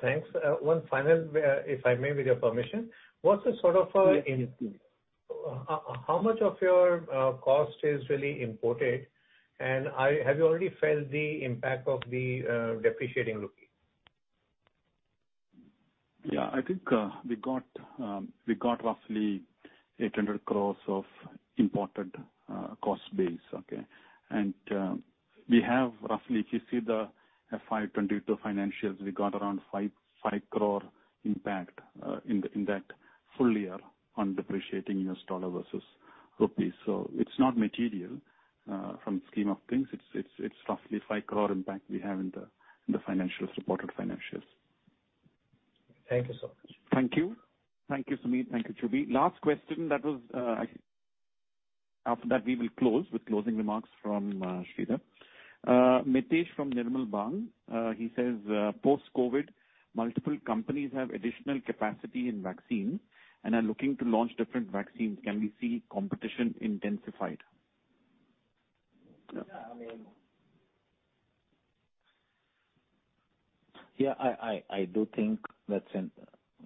Thanks. One final, if I may, with your permission. What's the sort of? Yeah. How much of your cost is really imported? Have you already felt the impact of the depreciating rupee? I think we got roughly 800 crore of imported cost base. Okay. We have roughly, if you see the FY 2022 financials, we got around 5 crore impact in that full year on depreciating U.S. dollar versus rupee. It's not material in the scheme of things. It's roughly 5 crore impact we have in the financials, reported financials. Thank you so much. Thank you. Thank you, Sameer. Thank you, Juby. Last question that was, After that, we will close with closing remarks from, Sridhar. Mitesh from Nirmal Bang. He says, "Post-COVID, multiple companies have additional capacity in vaccines and are looking to launch different vaccines. Can we see competition intensified? I mean, I do think that's in,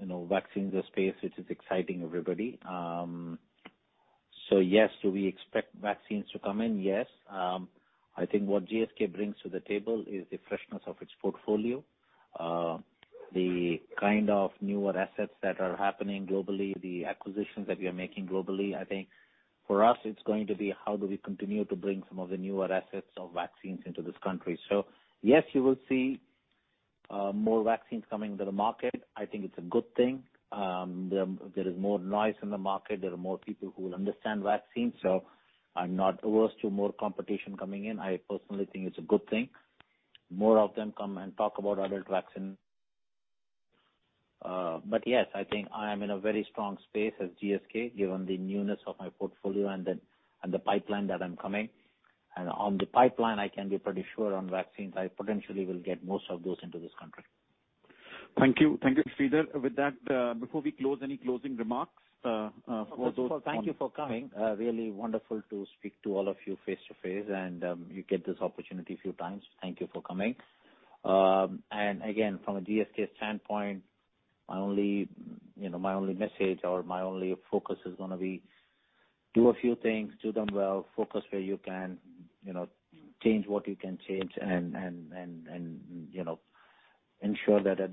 you know, vaccine is a space which is exciting everybody. Yes. Do we expect vaccines to come in? Yes. I think what GSK brings to the table is the freshness of its portfolio, the kind of newer assets that are happening globally, the acquisitions that we are making globally. I think for us it's going to be how do we continue to bring some of the newer assets of vaccines into this country. Yes, you will see more vaccines coming into the market. I think it's a good thing. There is more noise in the market. There are more people who will understand vaccines, so I'm not averse to more competition coming in. I personally think it's a good thing. More of them come and talk about adult vaccine. I think I am in a very strong space as GSK, given the newness of my portfolio and the pipeline that I'm coming. On the pipeline, I can be pretty sure on vaccines. I potentially will get most of those into this country. Thank you. Thank you, Sridhar. With that, before we close, any closing remarks for those. Thank you for coming. Really wonderful to speak to all of you face-to-face, and you get this opportunity a few times. Thank you for coming. Again, from a GSK standpoint, my only message or my only focus is gonna be do a few things, do them well, focus where you can, you know, change what you can change and, you know, ensure that at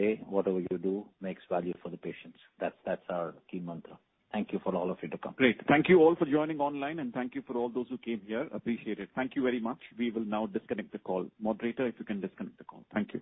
the end of the day, whatever you do makes value for the patients. That's our key mantra. Thank you for all of you to come. Great. Thank you all for joining online, and thank you for all those who came here. Appreciate it. Thank you very much. We will now disconnect the call. Moderator, if you can disconnect the call. Thank you.